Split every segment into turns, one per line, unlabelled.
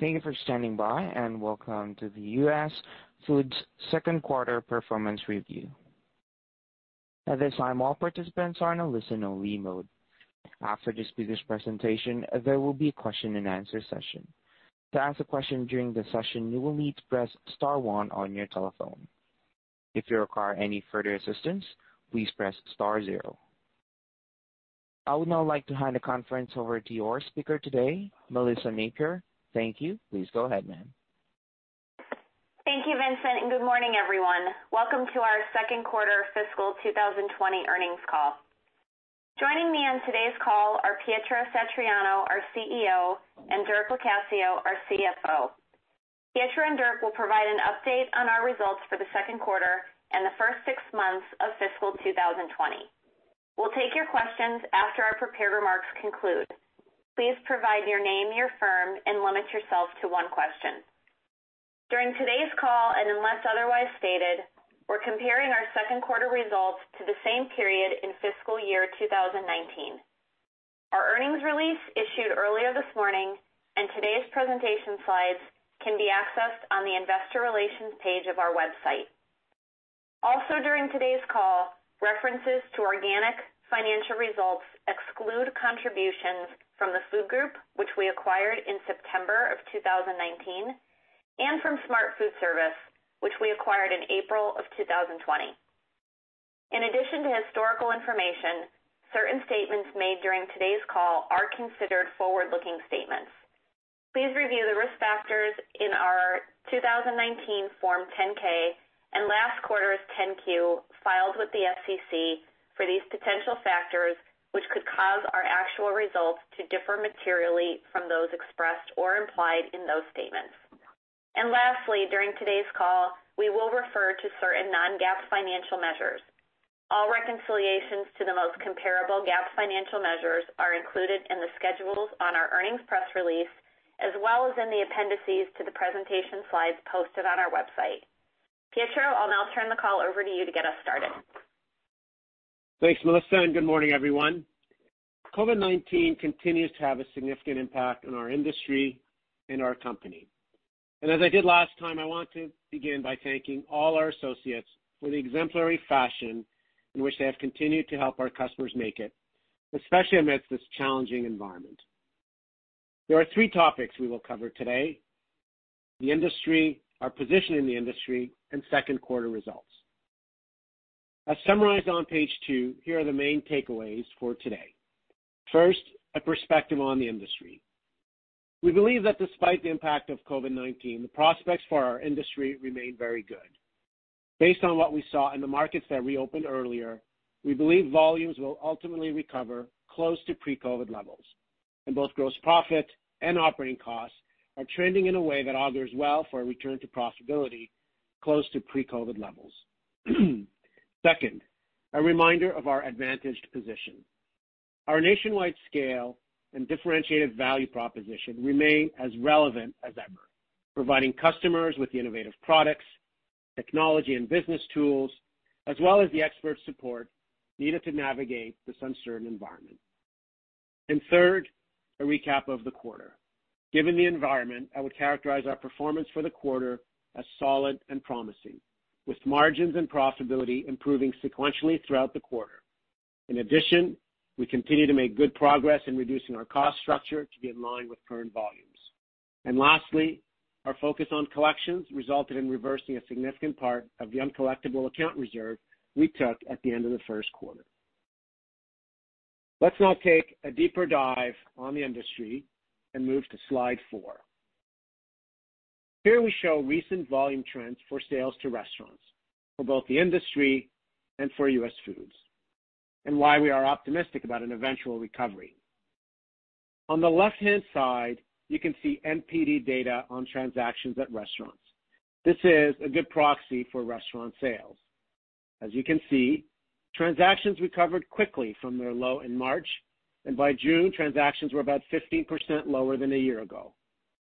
Thank you for standing by, and welcome to the US Foods second quarter performance review. At this time, all participants are in a listen-only mode. After the speaker's presentation, there will be a question and answer session. To ask a question during the session, you will need to press star one on your telephone. If you require any further assistance, please press star zero. I would now like to hand the conference over to your speaker today, Melissa Napier. Thank you. Please go ahead, ma'am.
Thank you, Vincent, good morning, everyone. Welcome to our second quarter fiscal 2020 earnings call. Joining me on today's call are Pietro Satriano, our CEO, and Dirk Locascio, our CFO. Pietro and Dirk will provide an update on our results for the second quarter and the first 6 months of fiscal 2020. We'll take your questions after our prepared remarks conclude. Please provide your name, your firm, and limit yourself to one question. During today's call, and unless otherwise stated, we're comparing our second quarter results to the same period in fiscal year 2019. Our earnings release, issued earlier this morning, and today's presentation slides can be accessed on the investor relations page of our website. During today's call, references to organic financial results exclude contributions from the Food Group, which we acquired in September of 2019, and from Smart Food Service, which we acquired in April of 2020. In addition to historical information, certain statements made during today's call are considered forward-looking statements. Please review the risk factors in our 2019 Form 10-K and last quarter's Form 10-Q, filed with the SEC, for these potential factors, which could cause our actual results to differ materially from those expressed or implied in those statements. Lastly, during today's call, we will refer to certain non-GAAP financial measures. All reconciliations to the most comparable GAAP financial measures are included in the schedules on our earnings press release, as well as in the appendices to the presentation slides posted on our website. Pietro, I'll now turn the call over to you to get us started.
Thanks, Melissa. Good morning, everyone. COVID-19 continues to have a significant impact on our industry and our company. As I did last time, I want to begin by thanking all our associates for the exemplary fashion in which they have continued to help our customers make it, especially amidst this challenging environment. There are three topics we will cover today: the industry, our position in the industry, and second quarter results. As summarized on page two, here are the main takeaways for today. First, a perspective on the industry. We believe that despite the impact of COVID-19, the prospects for our industry remain very good. Based on what we saw in the markets that reopened earlier, we believe volumes will ultimately recover close to pre-COVID levels, and both gross profit and operating costs are trending in a way that augurs well for a return to profitability close to pre-COVID levels. Second, a reminder of our advantaged position. Our nationwide scale and differentiated value proposition remain as relevant as ever, providing customers with innovative products, technology, and business tools, as well as the expert support needed to navigate this uncertain environment. Third, a recap of the quarter. Given the environment, I would characterize our performance for the quarter as solid and promising, with margins and profitability improving sequentially throughout the quarter. In addition, we continue to make good progress in reducing our cost structure to be in line with current volumes. Lastly, our focus on collections resulted in reversing a significant part of the uncollectible account reserve we took at the end of the first quarter. Let's now take a deeper dive on the industry and move to slide four. Here we show recent volume trends for sales to restaurants for both the industry and for US Foods, and why we are optimistic about an eventual recovery. On the left-hand side, you can see NPD data on transactions at restaurants. This is a good proxy for restaurant sales. As you can see, transactions recovered quickly from their low in March, and by June, transactions were about 15% lower than a year ago,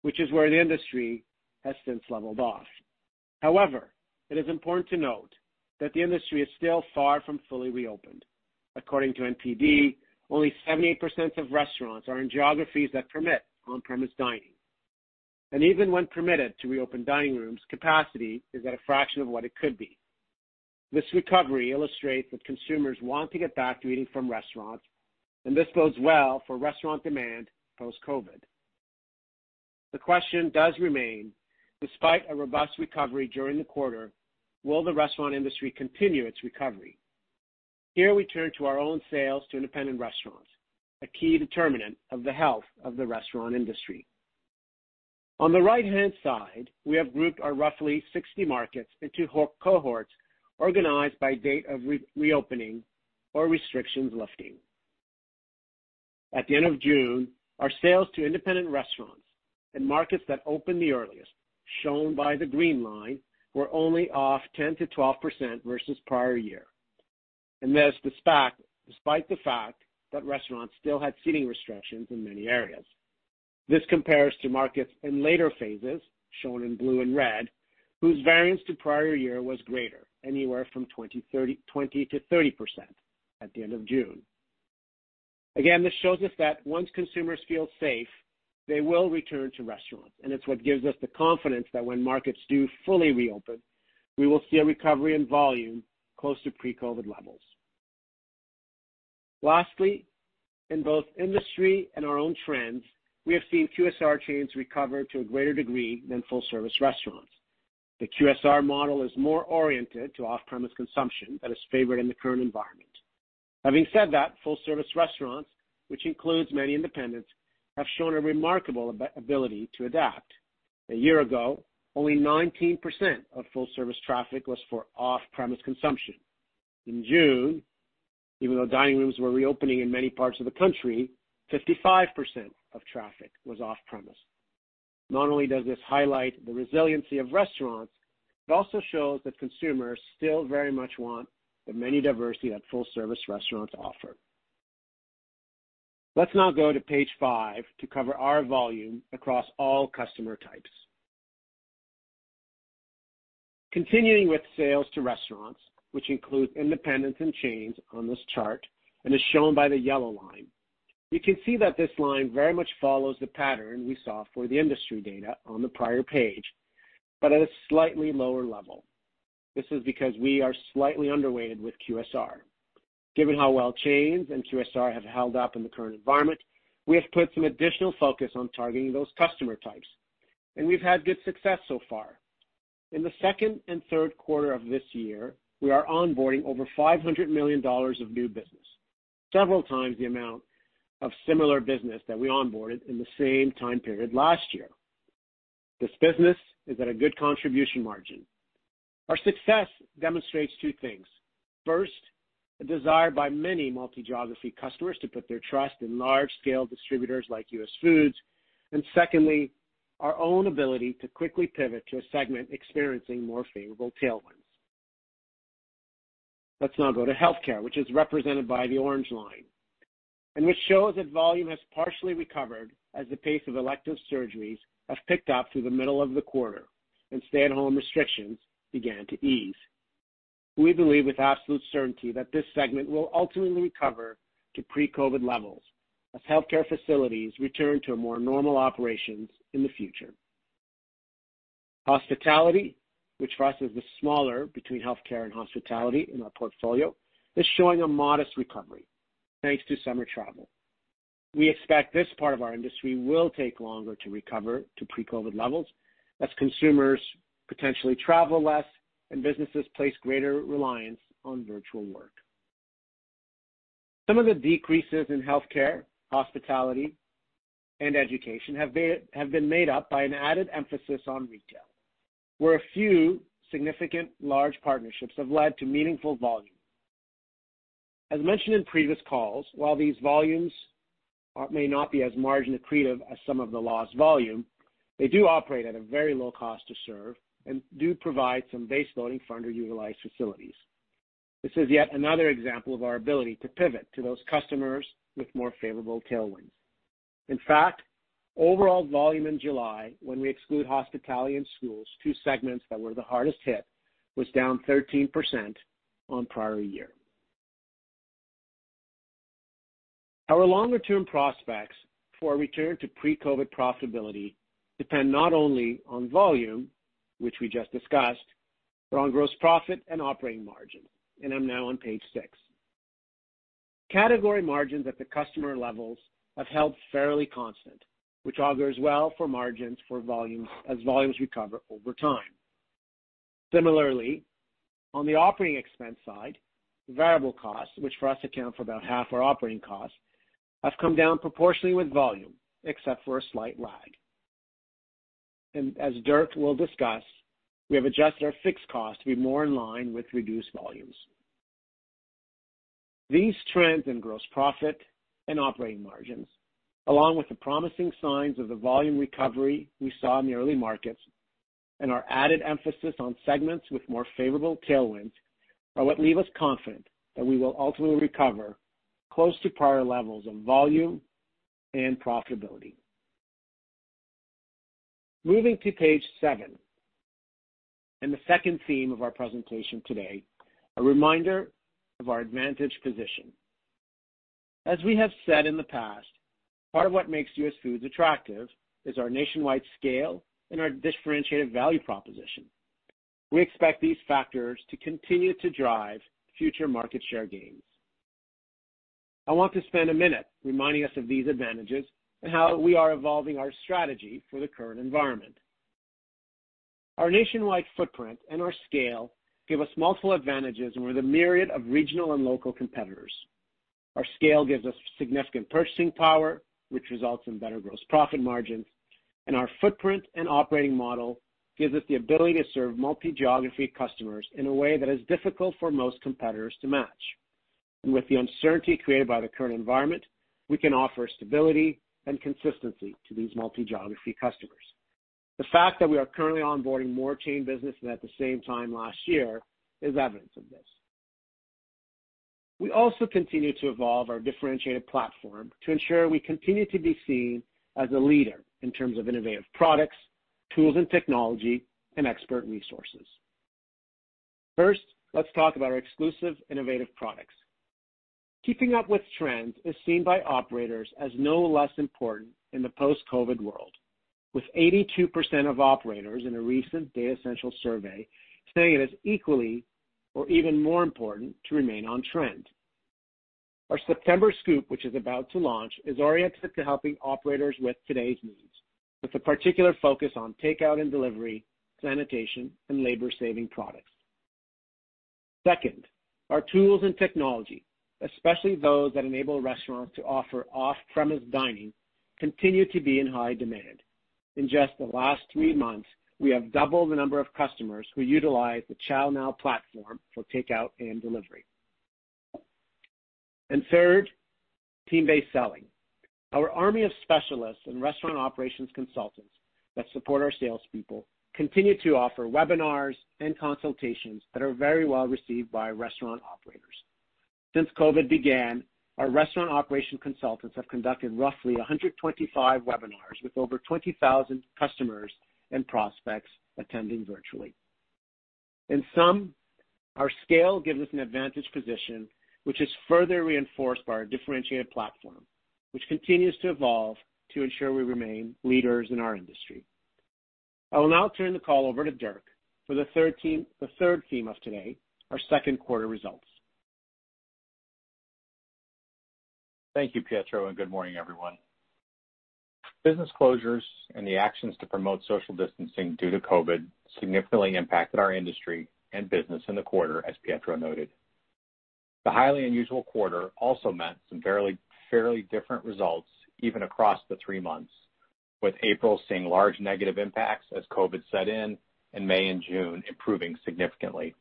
which is where the industry has since leveled off. However, it is important to note that the industry is still far from fully reopened. According to NPD, only 78% of restaurants are in geographies that permit on-premise dining. Even when permitted to reopen, dining rooms' capacity is at a fraction of what it could be. This recovery illustrates that consumers want to get back to eating from restaurants, this bodes well for restaurant demand post-COVID. The question does remain: despite a robust recovery during the quarter, will the restaurant industry continue its recovery? Here we turn to our own sales to independent restaurants, a key determinant of the health of the restaurant industry. On the right-hand side, we have grouped our roughly 60 markets into cohorts organized by date of reopening or restrictions lifting. At the end of June, our sales to independent restaurants in markets that opened the earliest, shown by the green line, were only off 10%-12% versus prior year. There's the fact, despite the fact that restaurants still had seating restrictions in many areas. This compares to markets in later phases, shown in blue and red, whose variance to prior year was greater, anywhere from 20, 30, 20%-30% at the end of June. This shows us that once consumers feel safe, they will return to restaurants, and it's what gives us the confidence that when markets do fully reopen, we will see a recovery in volume close to pre-COVID levels. In both industry and our own trends, we have seen QSR chains recover to a greater degree than full-service restaurants. The QSR model is more oriented to off-premise consumption that is favored in the current environment. Having said that, full-service restaurants, which includes many independents, have shown a remarkable ability to adapt. A year ago, only 19% of full-service traffic was for off-premise consumption. In June, even though dining rooms were reopening in many parts of the country, 55% of traffic was off-premise. Not only does this highlight the resiliency of restaurants, it also shows that consumers still very much want the many diversity that full-service restaurants offer. Let's now go to page 5 to cover our volume across all customer types. Continuing with sales to restaurants, which includes independents and chains on this chart and is shown by the yellow line, we can see that this line very much follows the pattern we saw for the industry data on the prior page, but at a slightly lower level. This is because we are slightly underweighted with QSR. Given how well chains and QSR have held up in the current environment, we have put some additional focus on targeting those customer types, and we've had good success so far. In the second and third quarter of this year, we are onboarding over $500 million of new business, several times the amount of similar business that we onboarded in the same time period last year. This business is at a good contribution margin. Our success demonstrates two things. First, a desire by many multi-geography customers to put their trust in large-scale distributors like US Foods. Secondly, our own ability to quickly pivot to a segment experiencing more favorable tailwinds. Let's now go to healthcare, which is represented by the orange line, and which shows that volume has partially recovered as the pace of elective surgeries have picked up through the middle of the quarter and stay-at-home restrictions began to ease. We believe with absolute certainty that this segment will ultimately recover to pre-COVID levels as healthcare facilities return to a more normal operations in the future. Hospitality, which for us is the smaller between healthcare and hospitality in our portfolio, is showing a modest recovery, thanks to summer travel. We expect this part of our industry will take longer to recover to pre-COVID levels as consumers potentially travel less and businesses place greater reliance on virtual work. Some of the decreases in healthcare, hospitality, and education have been made up by an added emphasis on retail, where a few significant large partnerships have led to meaningful volume. As mentioned in previous calls, while these volumes may not be as margin accretive as some of the lost volume, they do operate at a very low cost to serve and do provide some base loading for underutilized facilities. This is yet another example of our ability to pivot to those customers with more favorable tailwinds. In fact, overall volume in July, when we exclude hospitality and schools, two segments that were the hardest hit, was down 13% on prior year. Our longer-term prospects for a return to pre-COVID profitability depend not only on volume, which we just discussed, but on gross profit and operating margin. I'm now on page 6. Category margins at the customer levels have held fairly constant, which augurs well for margins for volumes as volumes recover over time. Similarly, on the operating expense side, variable costs, which for us account for about half our operating costs, have come down proportionally with volume, except for a slight lag. As Dirk will discuss, we have adjusted our fixed costs to be more in line with reduced volumes. These trends in gross profit and operating margins, along with the promising signs of the volume recovery we saw in the early markets and our added emphasis on segments with more favorable tailwinds, are what leave us confident that we will ultimately recover close to prior levels of volume and profitability. Moving to page seven, and the second theme of our presentation today, a reminder of our advantage position. As we have said in the past, part of what makes US Foods attractive is our nationwide scale and our differentiated value proposition. We expect these factors to continue to drive future market share gains. I want to spend a minute reminding us of these advantages and how we are evolving our strategy for the current environment. Our nationwide footprint and our scale give us multiple advantages over the myriad of regional and local competitors. Our scale gives us significant purchasing power, which results in better gross profit margins, and our footprint and operating model gives us the ability to serve multi-geography customers in a way that is difficult for most competitors to match. With the uncertainty created by the current environment, we can offer stability and consistency to these multi-geography customers. The fact that we are currently onboarding more chain business than at the same time last year is evidence of this. We also continue to evolve our differentiated platform to ensure we continue to be seen as a leader in terms of innovative products, tools and technology, and expert resources. First, let's talk about our exclusive innovative products. Keeping up with trends is seen by operators as no less important in the post-COVID world, with 82% of operators in a recent Datassential survey saying it is equally or even more important to remain on trend. Our September Scoop, which is about to launch, is oriented to helping operators with today's needs, with a particular focus on takeout and delivery, sanitation, and labor-saving products. Second, our tools and technology, especially those that enable restaurants to offer off-premise dining, continue to be in high demand. In just the last 3 months, we have doubled the number of customers who utilize the ChowNow platform for takeout and delivery. Third, team-based selling. Our army of specialists and restaurant operations consultants that support our salespeople continue to offer webinars and consultations that are very well received by restaurant operators. Since COVID began, our restaurant operation consultants have conducted roughly 125 webinars, with over 20,000 customers and prospects attending virtually. In sum, our scale gives us an advantage position, which is further reinforced by our differentiated platform, which continues to evolve to ensure we remain leaders in our industry. I will now turn the call over to Dirk for the third theme of today, our second quarter results.
Thank you, Pietro, and good morning, everyone. Business closures and the actions to promote social distancing due to COVID significantly impacted our industry and business in the quarter, as Pietro noted. The highly unusual quarter also meant some fairly, fairly different results even across the three months, with April seeing large negative impacts as COVID set in, and May and June improving significantly.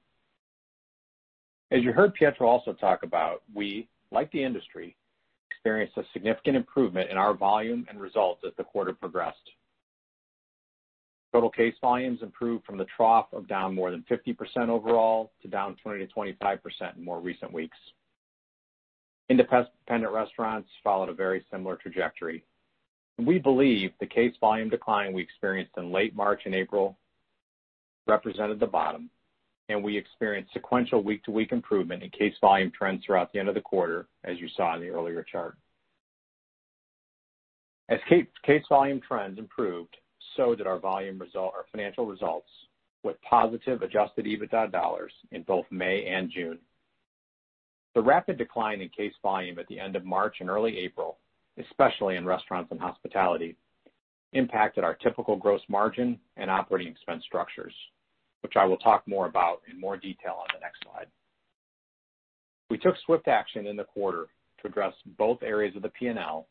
As you heard Pietro also talk about, we, like the industry, experienced a significant improvement in our volume and results as the quarter progressed. Total case volumes improved from the trough of down more than 50% overall to down 20%-25% in more recent weeks. Independent restaurants followed a very similar trajectory. We believe the case volume decline we experienced in late March and April represented the bottom. We experienced sequential week-to-week improvement in case volume trends throughout the end of the quarter, as you saw in the earlier chart. As case volume trends improved, so did our volume result, our financial results, with positive adjusted EBITDA dollars in both May and June. The rapid decline in case volume at the end of March and early April, especially in restaurants and hospitality, impacted our typical gross margin and operating expense structures, which I will talk more about in more detail on the next slide. We took swift action in the quarter to address both areas of the P&L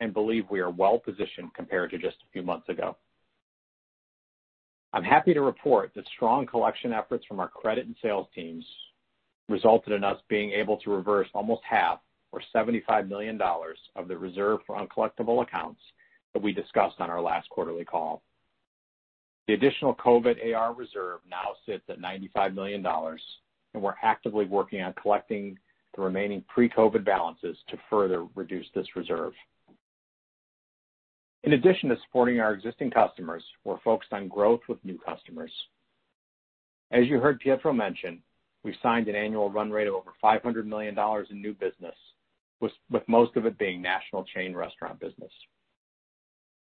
and believe we are well positioned compared to just a few months ago. I'm happy to report that strong collection efforts from our credit and sales teams resulted in us being able to reverse almost half, or $75 million, of the reserve for uncollectible accounts that we discussed on our last quarterly call. The additional COVID AR reserve now sits at $95 million, we're actively working on collecting the remaining pre-COVID balances to further reduce this reserve. In addition to supporting our existing customers, we're focused on growth with new customers. As you heard Pietro mention, we've signed an annual run rate of over $500 million in new business, with most of it being national chain restaurant business.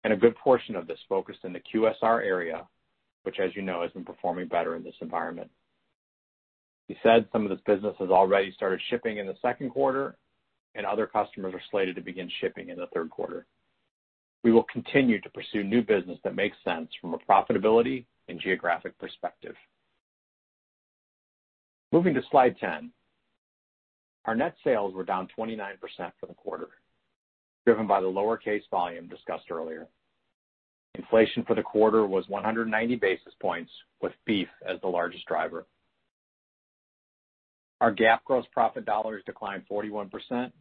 A good portion of this focused in the QSR area, which, as you know, has been performing better in this environment. He said some of this business has already started shipping in the second quarter, other customers are slated to begin shipping in the third quarter. We will continue to pursue new business that makes sense from a profitability and geographic perspective. Moving to Slide 10. Our net sales were down 29% for the quarter, driven by the lower case volume discussed earlier. Inflation for the quarter was 190 basis points, with beef as the largest driver. Our GAAP gross profit dollars declined 41%,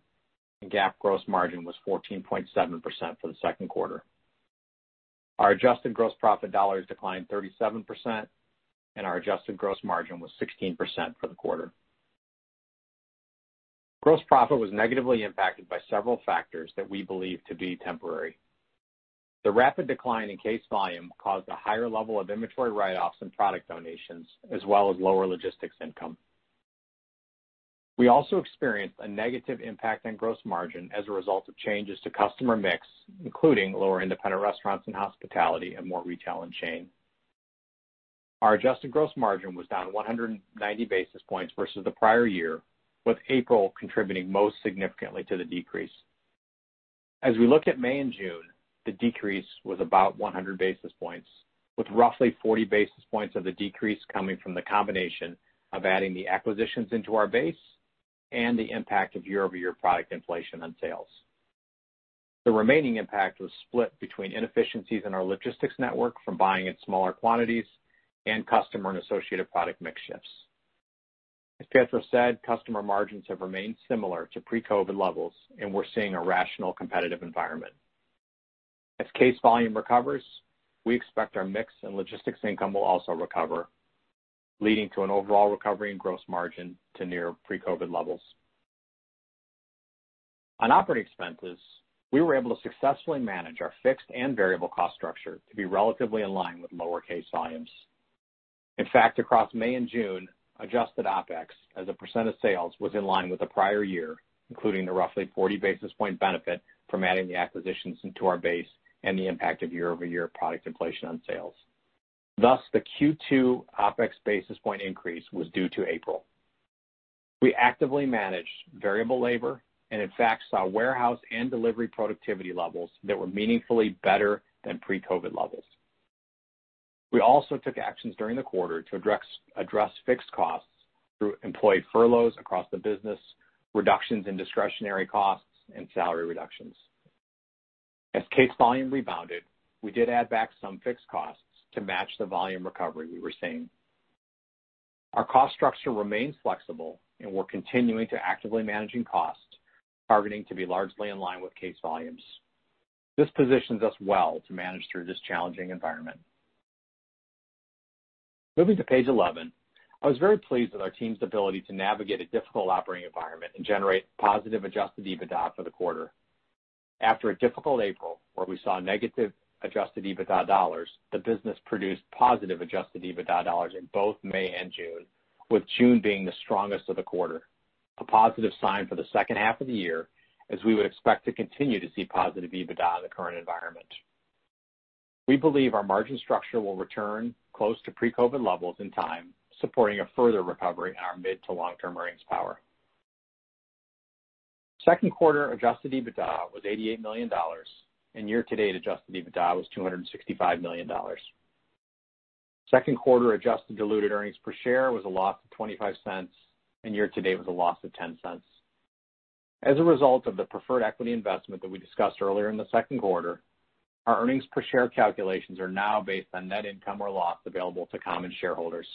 GAAP gross margin was 14.7% for the second quarter. Our adjusted gross profit dollars declined 37%, our adjusted gross margin was 16% for the quarter. Gross profit was negatively impacted by several factors that we believe to be temporary. The rapid decline in case volume caused a higher level of inventory write-offs and product donations, as well as lower logistics income. We also experienced a negative impact on gross margin as a result of changes to customer mix, including lower independent restaurants and hospitality and more retail and chain. Our adjusted gross margin was down 190 basis points versus the prior year, with April contributing most significantly to the decrease. As we look at May and June, the decrease was about 100 basis points, with roughly 40 basis points of the decrease coming from the combination of adding the acquisitions into our base and the impact of year-over-year product inflation on sales. The remaining impact was split between inefficiencies in our logistics network from buying in smaller quantities and customer and associated product mix shifts. As Pietro said, customer margins have remained similar to pre-COVID levels. We're seeing a rational, competitive environment. As case volume recovers, we expect our mix and logistics income will also recover, leading to an overall recovery in gross margin to near pre-COVID levels. On operating expenses, we were able to successfully manage our fixed and variable cost structure to be relatively in line with lower case volumes. In fact, across May and June, adjusted OpEx as a % of sales was in line with the prior year, including the roughly 40 basis point benefit from adding the acquisitions into our base and the impact of year-over-year product inflation on sales. Thus, the Q2 OpEx basis point increase was due to April. We actively managed variable labor and in fact, saw warehouse and delivery productivity levels that were meaningfully better than pre-COVID levels. We also took actions during the quarter to address fixed costs through employee furloughs across the business, reductions in discretionary costs, and salary reductions. As case volume rebounded, we did add back some fixed costs to match the volume recovery we were seeing. Our cost structure remains flexible, and we're continuing to actively managing costs, targeting to be largely in line with case volumes. This positions us well to manage through this challenging environment. Moving to page 11. I was very pleased with our team's ability to navigate a difficult operating environment and generate positive adjusted EBITDA for the quarter. After a difficult April, where we saw negative adjusted EBITDA dollars, the business produced positive adjusted EBITDA dollars in both May and June, with June being the strongest of the quarter. A positive sign for the second half of the year, as we would expect to continue to see positive EBITDA in the current environment. We believe our margin structure will return close to pre-COVID levels in time, supporting a further recovery in our mid to long-term earnings power. Second quarter adjusted EBITDA was $88 million, and year-to-date adjusted EBITDA was $265 million. Second quarter adjusted diluted earnings per share was a loss of $0.25, and year to date was a loss of $0.10. As a result of the preferred equity investment that we discussed earlier in the second quarter, our earnings per share calculations are now based on net income or loss available to common shareholders.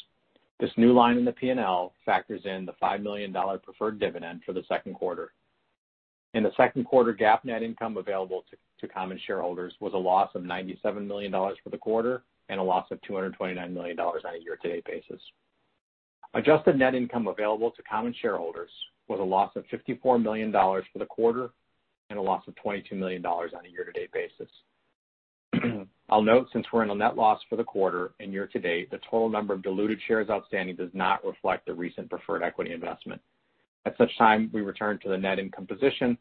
This new line in the P&L factors in the $5 million preferred dividend for the second quarter. In the second quarter, GAAP net income available to common shareholders was a loss of $97 million for the quarter and a loss of $229 million on a year-to-date basis. Adjusted net income available to common shareholders was a loss of $54 million for the quarter and a loss of $22 million on a year-to-date basis. I'll note, since we're in a net loss for the quarter and year-to-date, the total number of diluted shares outstanding does not reflect the recent preferred equity investment. At such time, we return to the net income position,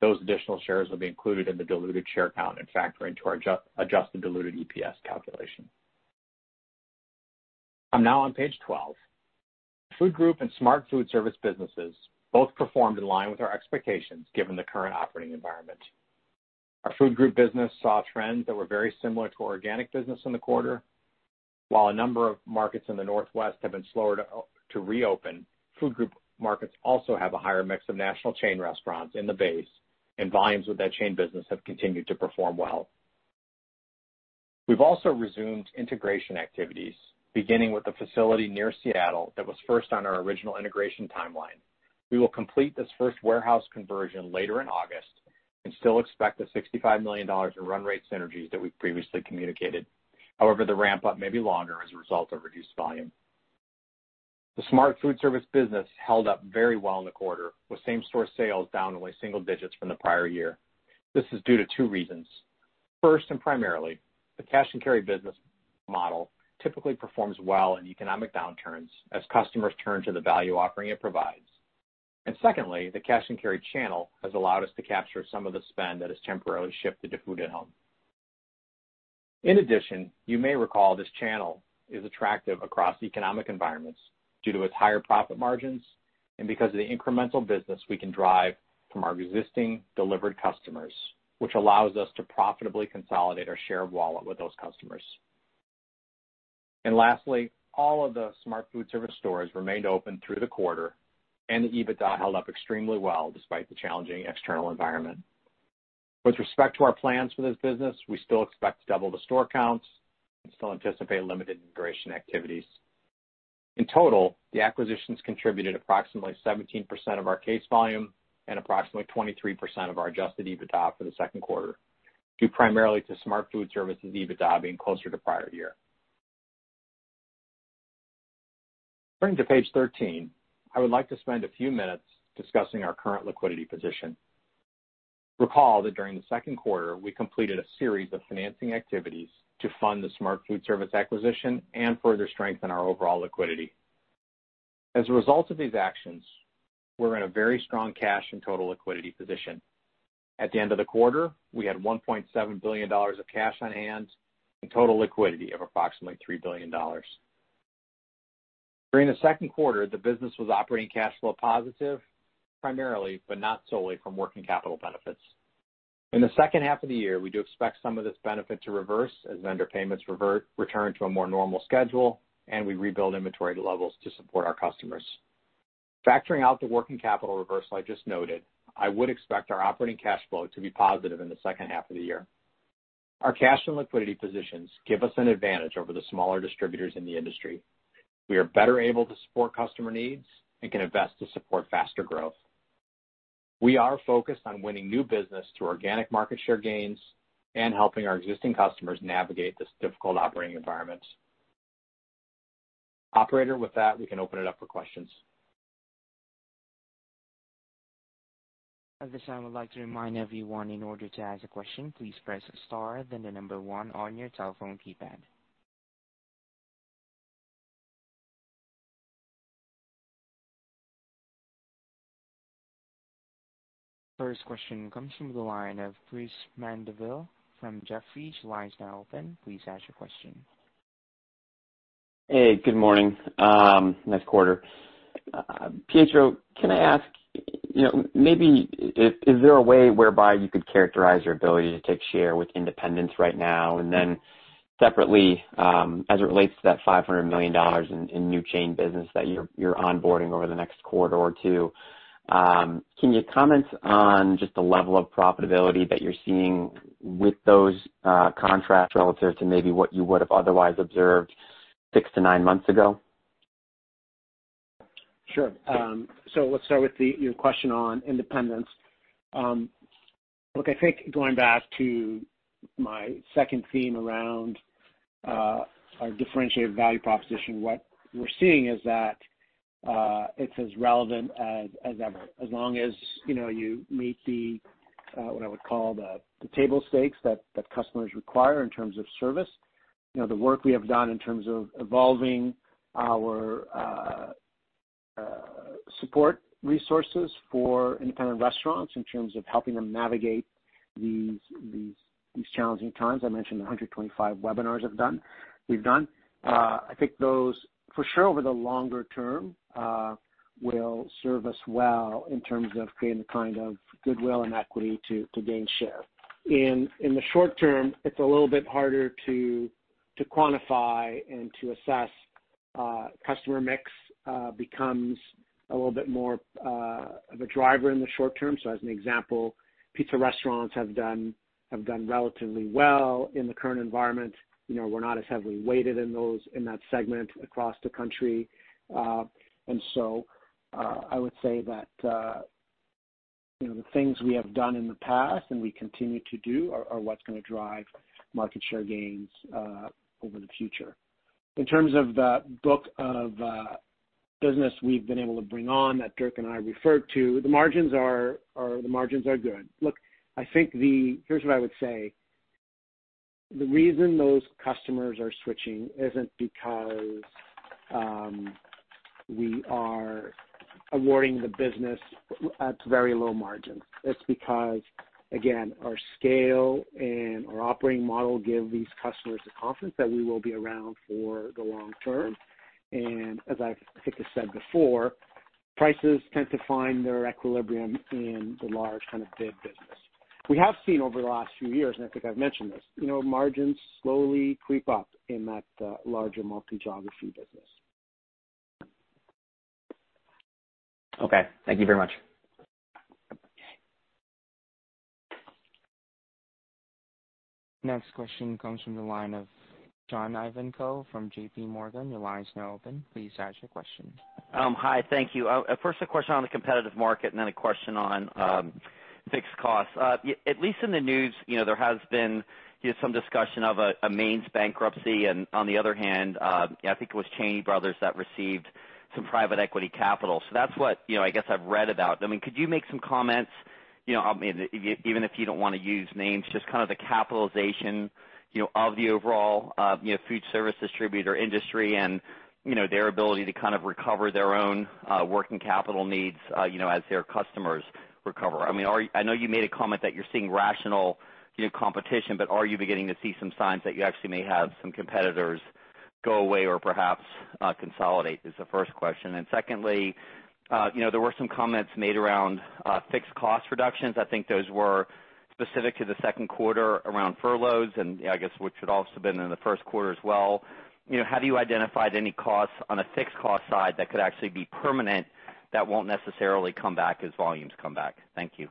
those additional shares will be included in the diluted share count and factor into our adjusted diluted EPS calculation. I'm now on page 12. Food Group and Smart Food Service businesses both performed in line with our expectations, given the current operating environment. Our Food Group business saw trends that were very similar to organic business in the quarter. While a number of markets in the Northwest have been slower to reopen, Food Group markets also have a higher mix of national chain restaurants in the base, and volumes with that chain business have continued to perform well. We've also resumed integration activities, beginning with the facility near Seattle that was first on our original integration timeline. We will complete this first warehouse conversion later in August and still expect the $65 million in run rate synergies that we previously communicated. However, the ramp up may be longer as a result of reduced volume. The Smart Foodservice business held up very well in the quarter, with same store sales down only single digits from the prior year. This is due to two reasons. First, primarily, the cash and carry business model typically performs well in economic downturns as customers turn to the value offering it provides. Secondly, the cash and carry channel has allowed us to capture some of the spend that has temporarily shifted to food at home. In addition, you may recall this channel is attractive across economic environments due to its higher profit margins and because of the incremental business we can drive from our existing delivered customers, which allows us to profitably consolidate our share of wallet with those customers. Lastly, all of the Smart Foodservice stores remained open through the quarter, and the EBITDA held up extremely well despite the challenging external environment. With respect to our plans for this business, we still expect to double the store counts and still anticipate limited integration activities. In total, the acquisitions contributed approximately 17% of our case volume and approximately 23% of our adjusted EBITDA for the second quarter, due primarily to Smart Foodservice's EBITDA being closer to prior year. Turning to page 13. I would like to spend a few minutes discussing our current liquidity position. Recall that during the second quarter, we completed a series of financing activities to fund the Smart Foodservice acquisition and further strengthen our overall liquidity. As a result of these actions, we're in a very strong cash and total liquidity position. At the end of the quarter, we had $1.7 billion of cash on hand and total liquidity of approximately $3 billion. During the second quarter, the business was operating cash flow positive, primarily, but not solely, from working capital benefits. In the second half of the year, we do expect some of this benefit to reverse as vendor payments return to a more normal schedule, and we rebuild inventory levels to support our customers. Factoring out the working capital reversal I just noted, I would expect our operating cash flow to be positive in the second half of the year. Our cash and liquidity positions give us an advantage over the smaller distributors in the industry. We are better able to support customer needs and can invest to support faster growth. We are focused on winning new business through organic market share gains and helping our existing customers navigate this difficult operating environment. Operator, with that, we can open it up for questions.
At this time, I would like to remind everyone, in order to ask a question, please press star, then the number 1 on your telephone keypad. First question comes from the line of Chris Mandeville from Jefferies. Your line is now open. Please ask your question.
Hey, good morning. Nice quarter. Pietro, can I ask, you know, maybe is, is there a way whereby you could characterize your ability to take share with independence right now? Separately, as it relates to that $500 million in new chain business that you're onboarding over the next quarter or two, can you comment on just the level of profitability that you're seeing with those contracts relative to maybe what you would have otherwise observed six to nine months ago?
Sure. Let's start with your question on independence. Look, I think going back to my second theme around our differentiated value proposition, what we're seeing is that it's as relevant as ever, as long as, you know, you meet the what I would call the table stakes that customers require in terms of service. You know, the work we have done in terms of evolving our support resources for independent restaurants in terms of helping them navigate these, these, these challenging times. I mentioned the 125 webinars we've done. I think those, for sure, over the longer term, will serve us well in terms of creating the kind of goodwill and equity to gain share. In the short term, it's a little bit harder to quantify and to assess. Customer mix becomes a little bit more of a driver in the short term. As an example, pizza restaurants have done relatively well in the current environment. You know, we're not as heavily weighted in those, in that segment across the country. I would say that, you know, the things we have done in the past and we continue to do are what's gonna drive market share gains over the future. In terms of the book of business we've been able to bring on that Dirk and I referred to, the margins are the margins are good. Look, I think, here's what I would say. The reason those customers are switching isn't because we are awarding the business at very low margins. It's because, again, our scale and our operating model give these customers the confidence that we will be around for the long term. As I think I said before, prices tend to find their equilibrium in the large kind of big business. We have seen over the last few years, and I think I've mentioned this, you know, margins slowly creep up in that larger multi-geography business.
Okay, thank you very much.
Next question comes from the line of John Ivankoe from JPMorgan. Your line is now open. Please ask your question.
Hi, thank you. First a question on the competitive market and then a question on fixed costs. At least in the news, you know, there has been, you know, some discussion of a Maines bankruptcy, and on the other hand, I think it was Cheney Brothers that received some private equity capital. That's what, you know, I guess I've read about. I mean, could you make some comments, you know, I mean, even if you don't want to use names, just kind of the capitalization, you know, of the overall, you know, foodservice distributor industry and, you know, their ability to kind of recover their own working capital needs, you know, as their customers recover. I mean, I know you made a comment that you're seeing rational, you know, competition, but are you beginning to see some signs that you actually may have some competitors go away or perhaps, consolidate? Is the first question. Secondly, you know, there were some comments made around fixed cost reductions. I think those were specific to the second quarter around furloughs, and I guess, which would also been in the first quarter as well. You know, have you identified any costs on a fixed cost side that could actually be permanent, that won't necessarily come back as volumes come back? Thank you.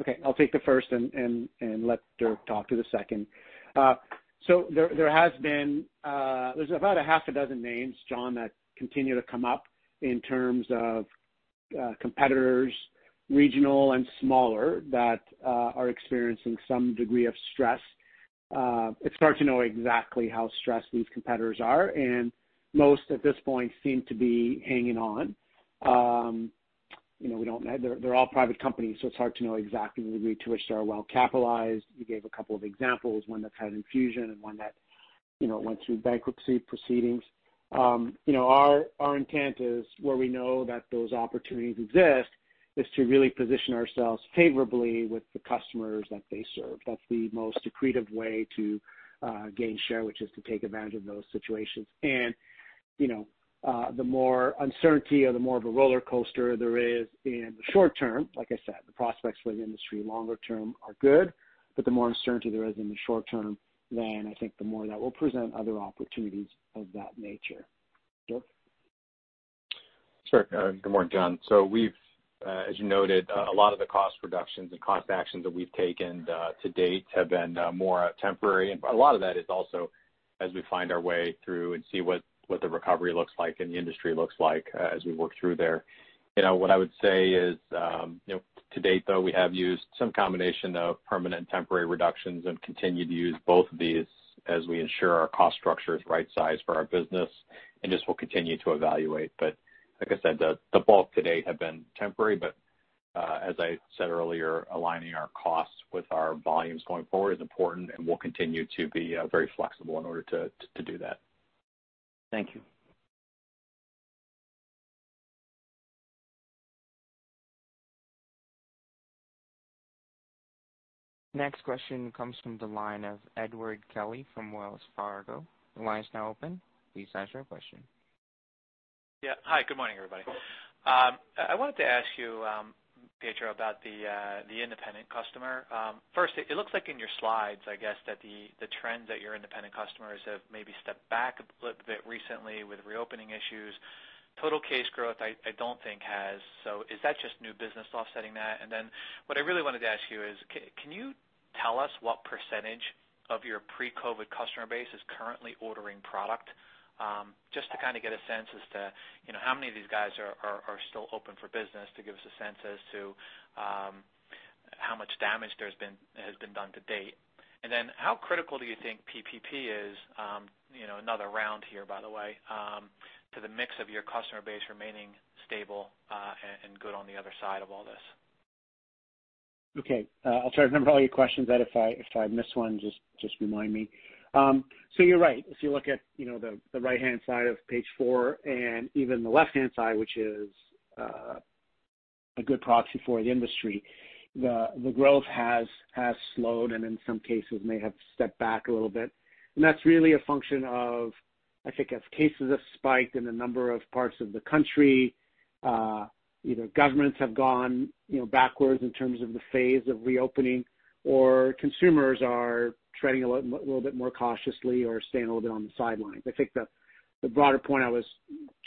Okay, I'll take the first and, and, and let Dirk talk to the second. There, there has been, there's about a half a dozen names, John, that continue to come up in terms of competitors, regional and smaller, that are experiencing some degree of stress. It's hard to know exactly how stressed these competitors are, and most at this point seem to be hanging on. You know, we don't know. They're, they're all private companies, so it's hard to know exactly the degree to which they are well capitalized. You gave a couple of examples, one that's had infusion and one that, you know, went through bankruptcy proceedings. You know, our, our intent is, where we know that those opportunities exist, is to really position ourselves favorably with the customers that they serve. That's the most accretive way to gain share, which is to take advantage of those situations. You know, the more uncertainty or the more of a roller coaster there is in the short term, like I said, the prospects for the industry longer term are good, but the more uncertainty there is in the short term, then I think the more that will present other opportunities of that nature. Dirk?
Sure. Good morning, John. We've, as you noted, a lot of the cost reductions and cost actions that we've taken, to date have been more temporary. A lot of that is also as we find our way through and see what the recovery looks like and the industry looks like, as we work through there. You know, what I would say is, you know, to date, though, we have used some combination of permanent and temporary reductions and continue to use both of these as we ensure our cost structure is right sized for our business, and this will continue to evaluate. Like I said, the bulk to date have been temporary, but... As I said earlier, aligning our costs with our volumes going forward is important, and we'll continue to be very flexible in order to do that.
Thank you.
Next question comes from the line of Edward Kelly from Wells Fargo. The line is now open. Please ask your question.
Yeah. Hi, good morning, everybody. I, I wanted to ask you, Pietro, about the independent customer. First, it looks like in your slides, I guess, that the trends that your independent customers have maybe stepped back a little bit recently with reopening issues. Total case growth, I, I don't think has. Is that just new business offsetting that? What I really wanted to ask you is, can you tell us what percentage of your pre-COVID customer base is currently ordering product? Just to kind of get a sense as to, you know, how many of these guys are still open for business, to give us a sense as to how much damage has been done to date. Then how critical do you think PPP is, you know, another round here, by the way, to the mix of your customer base remaining stable, and, and good on the other side of all this?
Okay. I'll try to remember all your questions, Ed, if I, if I miss one, just, just remind me. So you're right. If you look at, you know, the, the right-hand side of page four and even the left-hand side, which is a good proxy for the industry, the, the growth has, has slowed and in some cases may have stepped back a little bit. That's really a function of, I think, as cases have spiked in a number of parts of the country, either governments have gone, you know, backwards in terms of the phase of reopening, or consumers are treading a little, little bit more cautiously or staying a little bit on the sidelines. I think the, the broader point I was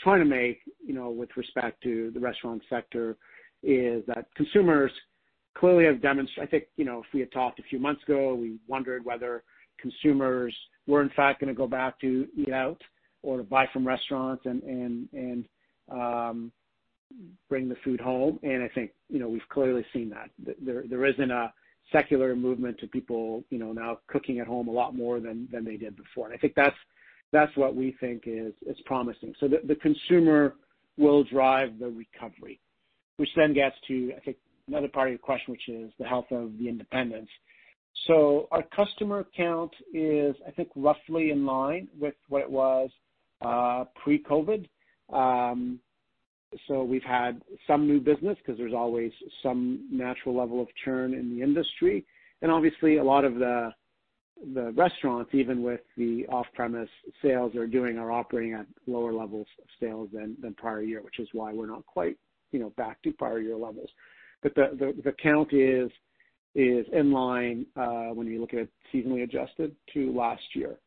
trying to make, you know, with respect to the restaurant sector, is that consumers clearly have I think, you know, if we had talked a few months ago, we wondered whether consumers were, in fact, gonna go back to eat out or to buy from restaurants and, and, and bring the food home. I think, you know, we've clearly seen that. There, there isn't a secular movement to people, you know, now cooking at home a lot more than, than they did before. I think that's, that's what we think is, is promising. The, the consumer will drive the recovery, which then gets to, I think, another part of your question, which is the health of the independents. Our customer count is, I think, roughly in line with what it was pre-COVID. We've had some new business because there's always some natural level of churn in the industry. Obviously a lot of the restaurants, even with the off-premise sales, are doing, are operating at lower levels of sales than prior year, which is why we're not quite, you know, back to prior year levels. The count is in line when you look at it seasonally adjusted to last year.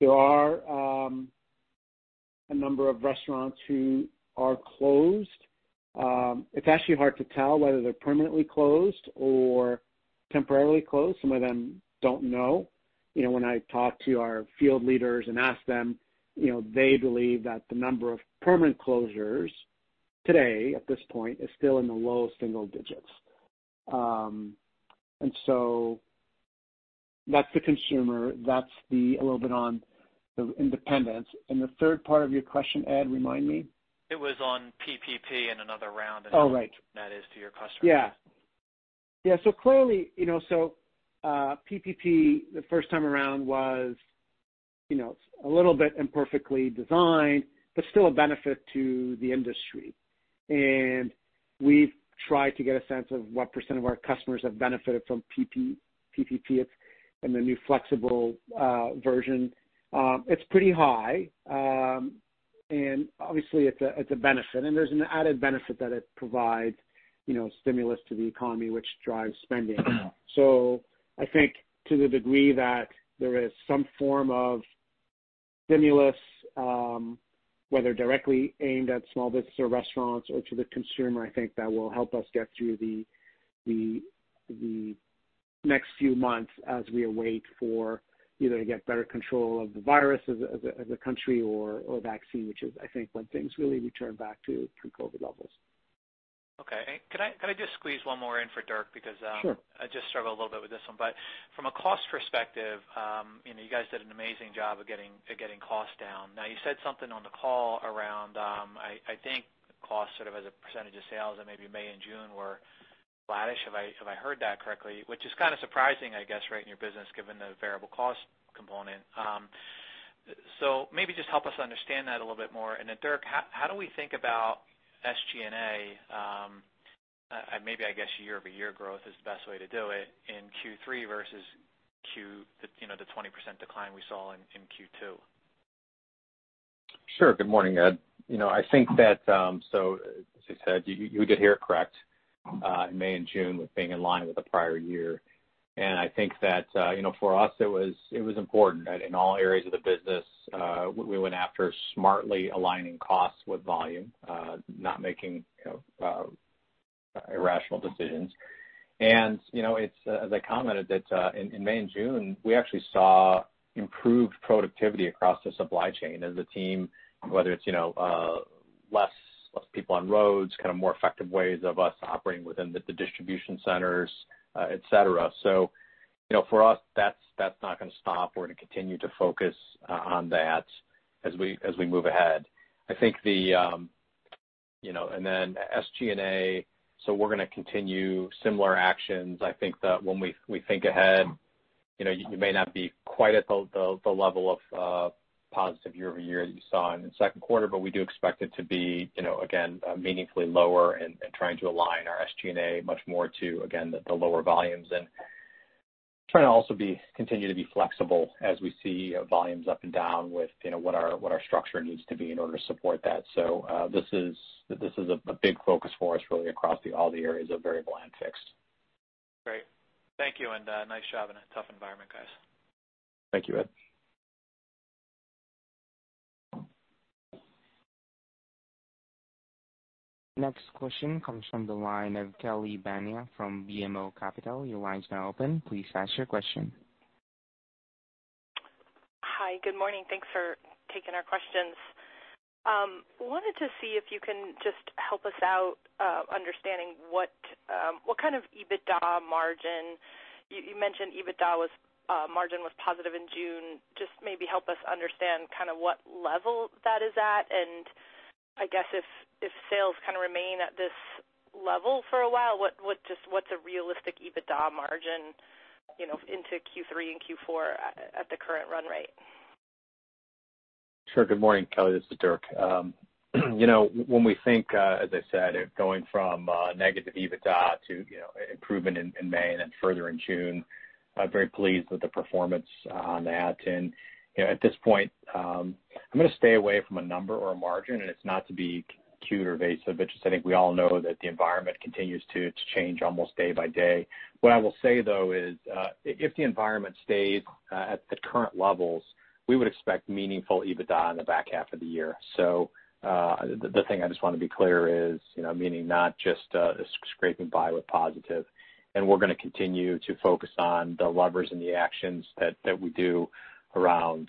There are a number of restaurants who are closed. It's actually hard to tell whether they're permanently closed or temporarily closed. Some of them don't know. You know, when I talk to our field leaders and ask them, you know, they believe that the number of permanent closures today, at this point, is still in the low single digits. That's the consumer, that's the... a little bit on the independents. The third part of your question, Ed, remind me?
It was on PPP and another round-
Oh, right.
How much that is to your customers.
Yeah. Yeah, so clearly, you know, so, PPP, the first time around, was, you know, a little bit imperfectly designed, but still a benefit to the industry. We've tried to get a sense of what percent of our customers have benefited from PPP and the new flexible, version. It's pretty high. Obviously, it's a, it's a benefit, and there's an added benefit that it provides, you know, stimulus to the economy, which drives spending. I think to the degree that there is some form of stimulus, whether directly aimed at small business or restaurants or to the consumer, I think that will help us get through the next few months as we await for either to get better control of the virus as a country or vaccine, which is, I think, when things really return back to pre-COVID levels.
Okay. Can I, can I just squeeze one more in for Dirk? Because.
Sure.
I just struggled a little bit with this one. From a cost perspective, you know, you guys did an amazing job of getting, of getting costs down. Now, you said something on the call around, I, I think cost sort of as a percentage of sales and maybe May and June were flattish, if I, if I heard that correctly, which is kind of surprising, I guess, right, in your business, given the variable cost component. So maybe just help us understand that a little bit more. And then, Dirk, how, how do we think about SG&A, maybe, I guess, year-over-year growth is the best way to do it, in Q3 versus Q, you know, the 20% decline we saw in, in Q2?
Sure. Good morning, Ed. You know, I think that, so as you said, you, you did hear it correct, in May and June with being in line with the prior year. I think that, you know, for us, it was, it was important that in all areas of the business, we, we went after smartly aligning costs with volume, not making, you know, irrational decisions. You know, it's, as I commented, that, in, in May and June, we actually saw improved productivity across the supply chain as a team, whether it's, you know, less, less people on roads, kind of more effective ways of us operating within the, the distribution centers, et cetera. You know, for us, that's, that's not gonna stop. We're gonna continue to focus on that as we, as we move ahead. I think the, you know, and then SG&A. We're gonna continue similar actions. I think that when we, we think ahead, you know, you may not be quite at the, the, the level of positive year-over-year that you saw in the second quarter. We do expect it to be, you know, again, meaningfully lower and, and trying to align our SG&A much more to, again, the, the lower volumes and trying to also continue to be flexible as we see volumes up and down with, you know, what our, what our structure needs to be in order to support that. This is, this is a, a big focus for us, really, across the, all the areas of variable and fixed.
Great. Thank you, and nice job in a tough environment, guys.
Thank you, Ed.
Next question comes from the line of Kelly Bania from BMO Capital. Your line is now open. Please ask your question.
Hi, good morning. Thanks for taking our questions. wanted to see if you can just help us out understanding what, what kind of EBITDA margin. You, you mentioned EBITDA was margin was positive in June. Just maybe help us understand kind of what level that is at, and I guess if, if sales kind of remain at this level for a while, what, what, just what's a realistic EBITDA margin, you know, into Q3 and Q4 at, at the current run rate?
Sure. Good morning, Kelly. This is Dirk. You know, when we think, as I said, of going from negative EBITDA to, you know, improving in May and then further in June, I'm very pleased with the performance on that. You know, at this point, I'm gonna stay away from a number or a margin, and it's not to be cute or evasive, but just I think we all know that the environment continues to change almost day by day. What I will say, though, is if the environment stays at the current levels, we would expect meaningful EBITDA in the back half of the year. The, the thing I just want to be clear is, you know, meaning not just, scraping by with positive, and we're gonna continue to focus on the levers and the actions that, that we do around,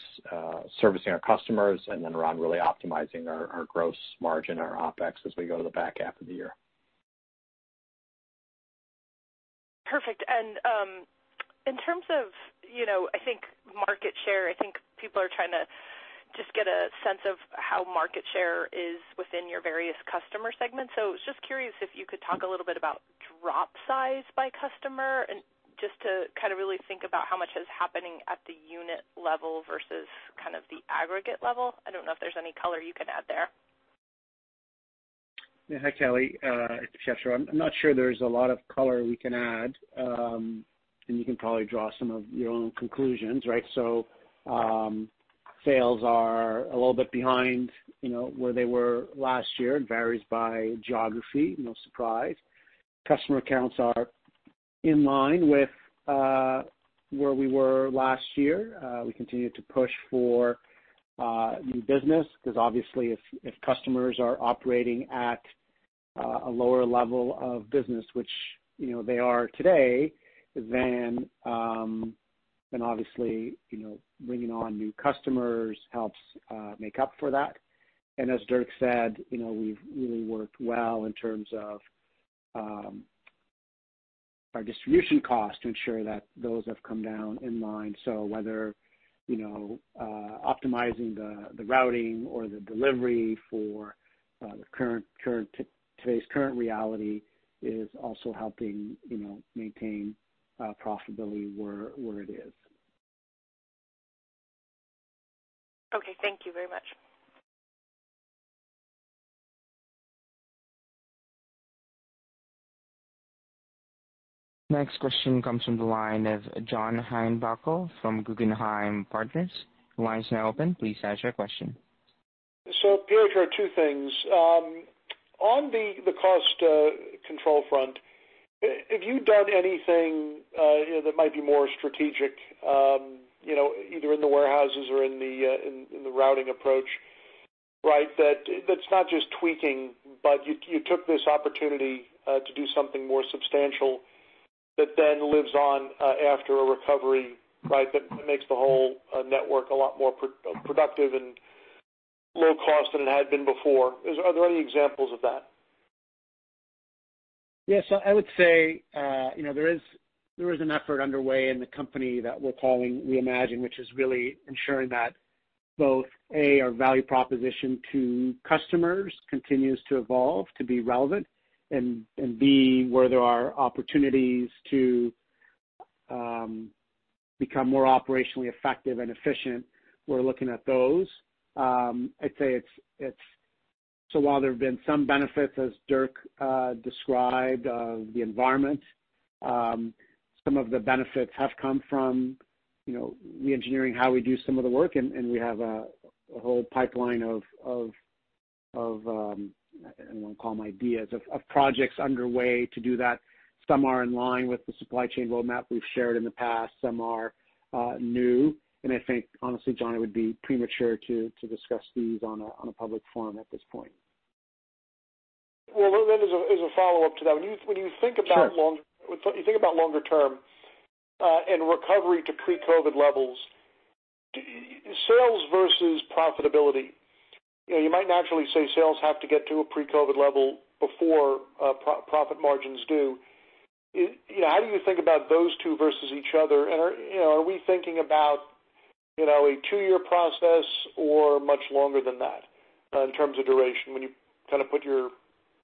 servicing our customers and then around really optimizing our, our gross margin, our OpEx, as we go to the back half of the year.
Perfect. In terms of, you know, I think market share, I think people are trying to just get a sense of how market share is within your various customer segments. I was just curious if you could talk a little bit about drop size by customer, and just to kind of really think about how much is happening at the unit level versus kind of the aggregate level. I don't know if there's any color you can add there.
Yeah. Hi, Kelly, it's Pietro. I'm not sure there's a lot of color we can add, and you can probably draw some of your own conclusions, right? Sales are a little bit behind, you know, where they were last year. It varies by geography, no surprise. Customer accounts are in line with where we were last year. We continue to push for new business, because obviously, if, if customers are operating at a lower level of business, which, you know, they are today, then then obviously, you know, bringing on new customers helps make up for that. As Dirk said, you know, we've really worked well in terms of our distribution costs to ensure that those have come down in line. Whether, you know, optimizing the routing or the delivery for the current, current, today's current reality is also helping, you know, maintain profitability where, where it is.
Okay, thank you very much.
Next question comes from the line of John Heinbockel from Guggenheim Partners. Your line is now open. Please ask your question.
Here are two things. On the cost control front, have you done anything, you know, that might be more strategic, you know, either in the warehouses or in the routing approach, right? That's not just tweaking, but you took this opportunity to do something more substantial that then lives on after a recovery, right? That makes the whole network a lot more productive and low cost than it had been before. Are there any examples of that?
Yeah, I would say, you know, there is, there is an effort underway in the company that we're calling Reimagine, which is really ensuring that both, A, our value proposition to customers continues to evolve, to be relevant, and, and B, where there are opportunities to become more operationally effective and efficient, we're looking at those. I'd say it's, it's, while there have been some benefits, as Dirk described, of the environment, some of the benefits have come from, you know, reengineering how we do some of the work, and, and we have a whole pipeline of, of, of, I don't want to call them ideas, of, of projects underway to do that. Some are in line with the supply chain roadmap we've shared in the past. Some are new. I think, honestly, John, it would be premature to, to discuss these on a, on a public forum at this point.
Well, as a follow-up to that, when you think about long-
Sure.
When you think about longer term, and recovery to pre-COVID levels, sales versus profitability? You might naturally say sales have to get to a pre-COVID level before pro-profit margins do. You know, how do you think about those two versus each other? Are, you know, are we thinking about, you know, a 2-year process or much longer than that, in terms of duration, when you kind of put your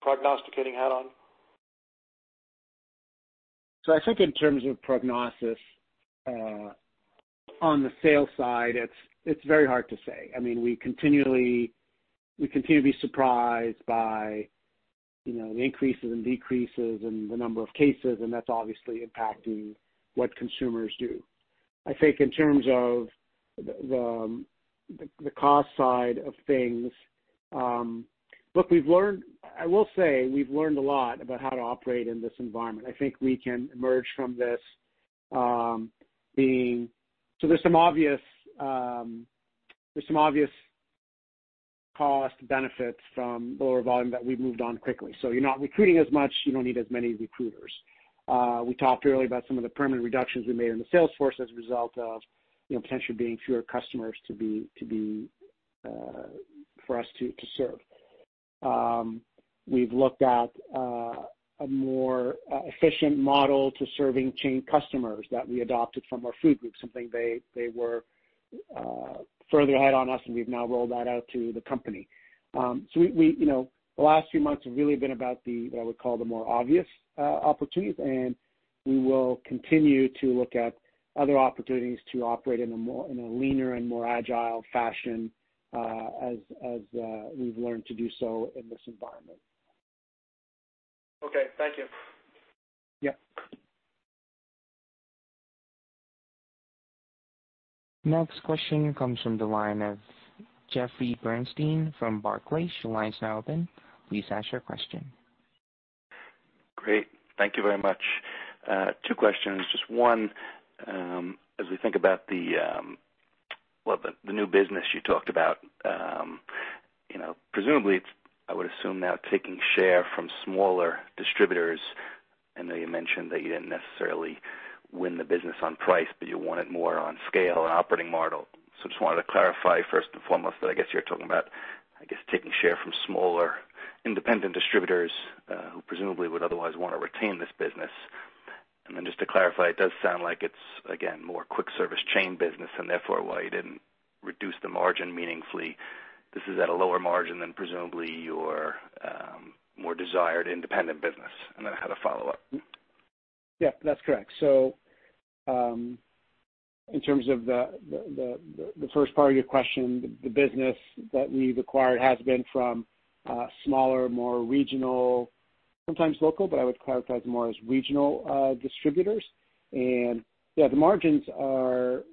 prognosticating hat on?
I think in terms of prognosis on the sales side, it's, it's very hard to say. I mean, we continue to be surprised by, you know, the increases and decreases in the number of cases, and that's obviously impacting what consumers do. I think in terms of the, the, the cost side of things, look, we've learned. I will say we've learned a lot about how to operate in this environment. I think we can emerge from this, being. There's some obvious cost benefits from lower volume that we've moved on quickly. You're not recruiting as much, you don't need as many recruiters. We talked earlier about some of the permanent reductions we made in the sales force as a result of, you know, potentially being fewer customers to be, to be, for us to, to serve. We've looked at a more efficient model to serving chain customers that we adopted from our Food Group, something they, they were further ahead on us, and we've now rolled that out to the company. We, we, you know, the last few months have really been about the, what I would call the more obvious opportunities, and we will continue to look at other opportunities to operate in a leaner and more agile fashion, as, as, we've learned to do so in this environment.
Okay. Thank you.
Yeah.
Next question comes from the line of Jeffrey Bernstein from Barclays. Your line is now open. Please ask your question.
Great. Thank you very much. Two questions. Just one, as we think about the, well, the, the new business you talked about, you know, presumably, it's, I would assume, now taking share from smaller distributors. I know you mentioned that you didn't necessarily win the business on price, but you want it more on scale and operating model. Just wanted to clarify, first and foremost, that I guess you're talking about, I guess, taking share from smaller independent distributors, who presumably would otherwise want to retain this business. Then just to clarify, it does sound like it's, again, more quick service chain business and therefore why you didn't reduce the margin meaningfully. This is at a lower margin than presumably your, more desired independent business. Then I had a follow-up.
Yeah, that's correct. In terms of the first part of your question, the business that we've acquired has been from smaller, more regional, sometimes local, but I would characterize more as regional, distributors. Yeah, the margins are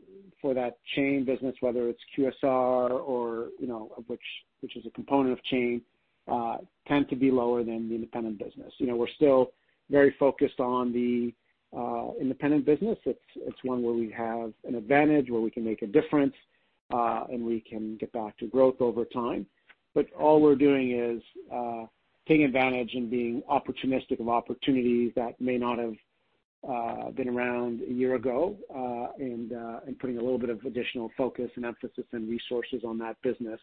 for that chain business, whether it's QSR or, you know, of which, which is a component of chain, tend to be lower than the independent business. You know, we're still very focused on the independent business. It's, it's one where we have an advantage, where we can make a difference, and we can get back to growth over time. All we're doing is, taking advantage and being opportunistic of opportunities that may not have, been around a year ago, and, and putting a little bit of additional focus and emphasis and resources on that business,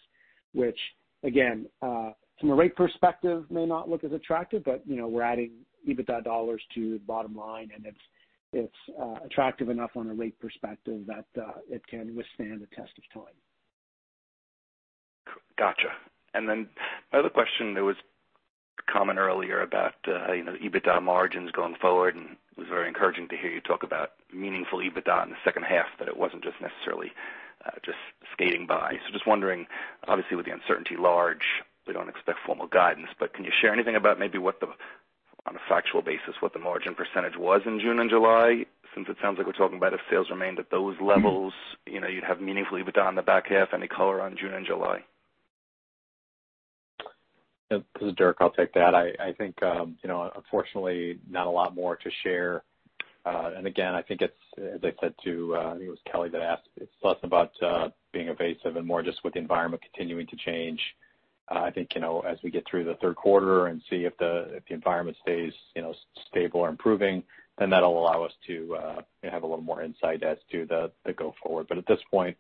which, again, from a rate perspective, may not look as attractive, but, you know, we're adding EBITDA dollars to the bottom line, and it's, it's, attractive enough on a rate perspective that, it can withstand the test of time.
Gotcha. Then the other question, there was comment earlier about, you know, EBITDA margins going forward, and it was very encouraging to hear you talk about meaningful EBITDA in the second half, that it wasn't just necessarily just skating by. Just wondering, obviously, with the uncertainty large, we don't expect formal guidance, but can you share anything about maybe what the, on a factual basis, what the margin percentage was in June and July? Since it sounds like we're talking about if sales remained at those levels, you know, you'd have meaningful EBITDA in the back half. Any color on June and July?
Yep. This is Dirk. I'll take that. I, I think, you know, unfortunately, not a lot more to share. Again, I think it's, as I said to, I think it was Kelly that asked, it's less about being evasive and more just with the environment continuing to change. I think, you know, as we get through the 3rd quarter and see if the, if the environment stays, you know, stable or improving, that'll allow us to have a little more insight as to the, the go forward. At this point,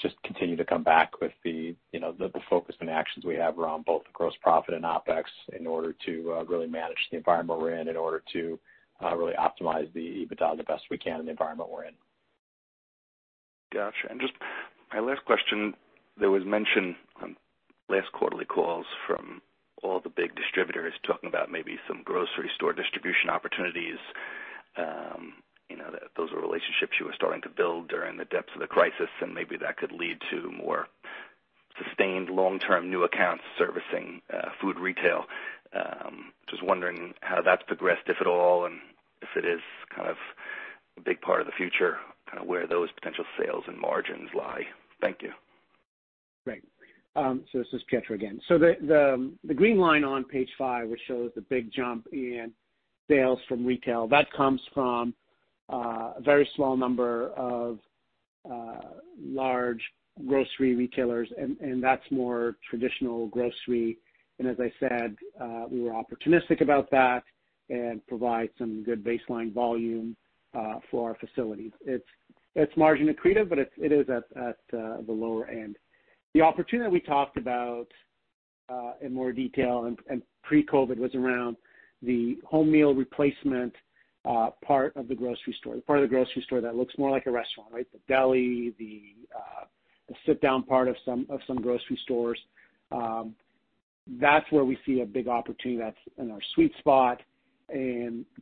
just continue to come back with the, you know, the, the focus and actions we have around both the gross profit and OpEx in order to really manage the environment we're in, in order to really optimize the EBITDA the best we can in the environment we're in.
Gotcha. Just my last question, there was mention on last quarterly calls from all the big distributors talking about maybe some grocery store distribution opportunities. You know, that those were relationships you were starting to build during the depths of the crisis, and maybe that could lead to more sustained long-term new accounts servicing, food retail. Just wondering how that's progressed, if at all, and if it is kind of a big part of the future, kind of where those potential sales and margins lie. Thank you.
Great. This is Pietro again. The, the, the green line on page five, which shows the big jump in sales from retail, that comes from a very small number of large grocery retailers, and, and that's more traditional grocery. It's margin accretive, but it's, it is at, at the lower end. The opportunity we talked about in more detail and, and pre-COVID was around the home meal replacement part of the grocery store. The part of the grocery store that looks more like a restaurant, right? The deli, the, the sit-down part of some, of some grocery stores. That's where we see a big opportunity that's in our sweet spot.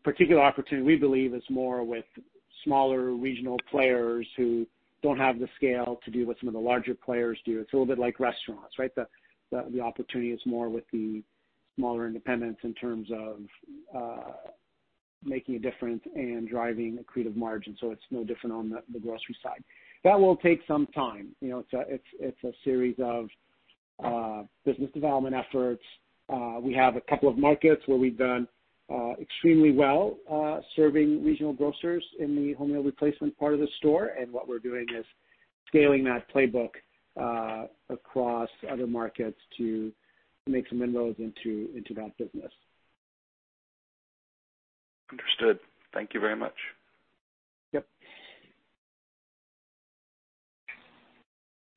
Particular opportunity, we believe, is more with smaller regional players who don't have the scale to do what some of the larger players do. It's a little bit like restaurants, right? The opportunity is more with the smaller independents in terms of making a difference and driving accretive margin, so it's no different on the grocery side. That will take some time. You know, it's a series of business development efforts. We have two markets where we've done extremely well, serving regional grocers in the home meal replacement part of the store. What we're doing is scaling that playbook across other markets to make some inroads into that business.
Understood. Thank you very much.
Yep.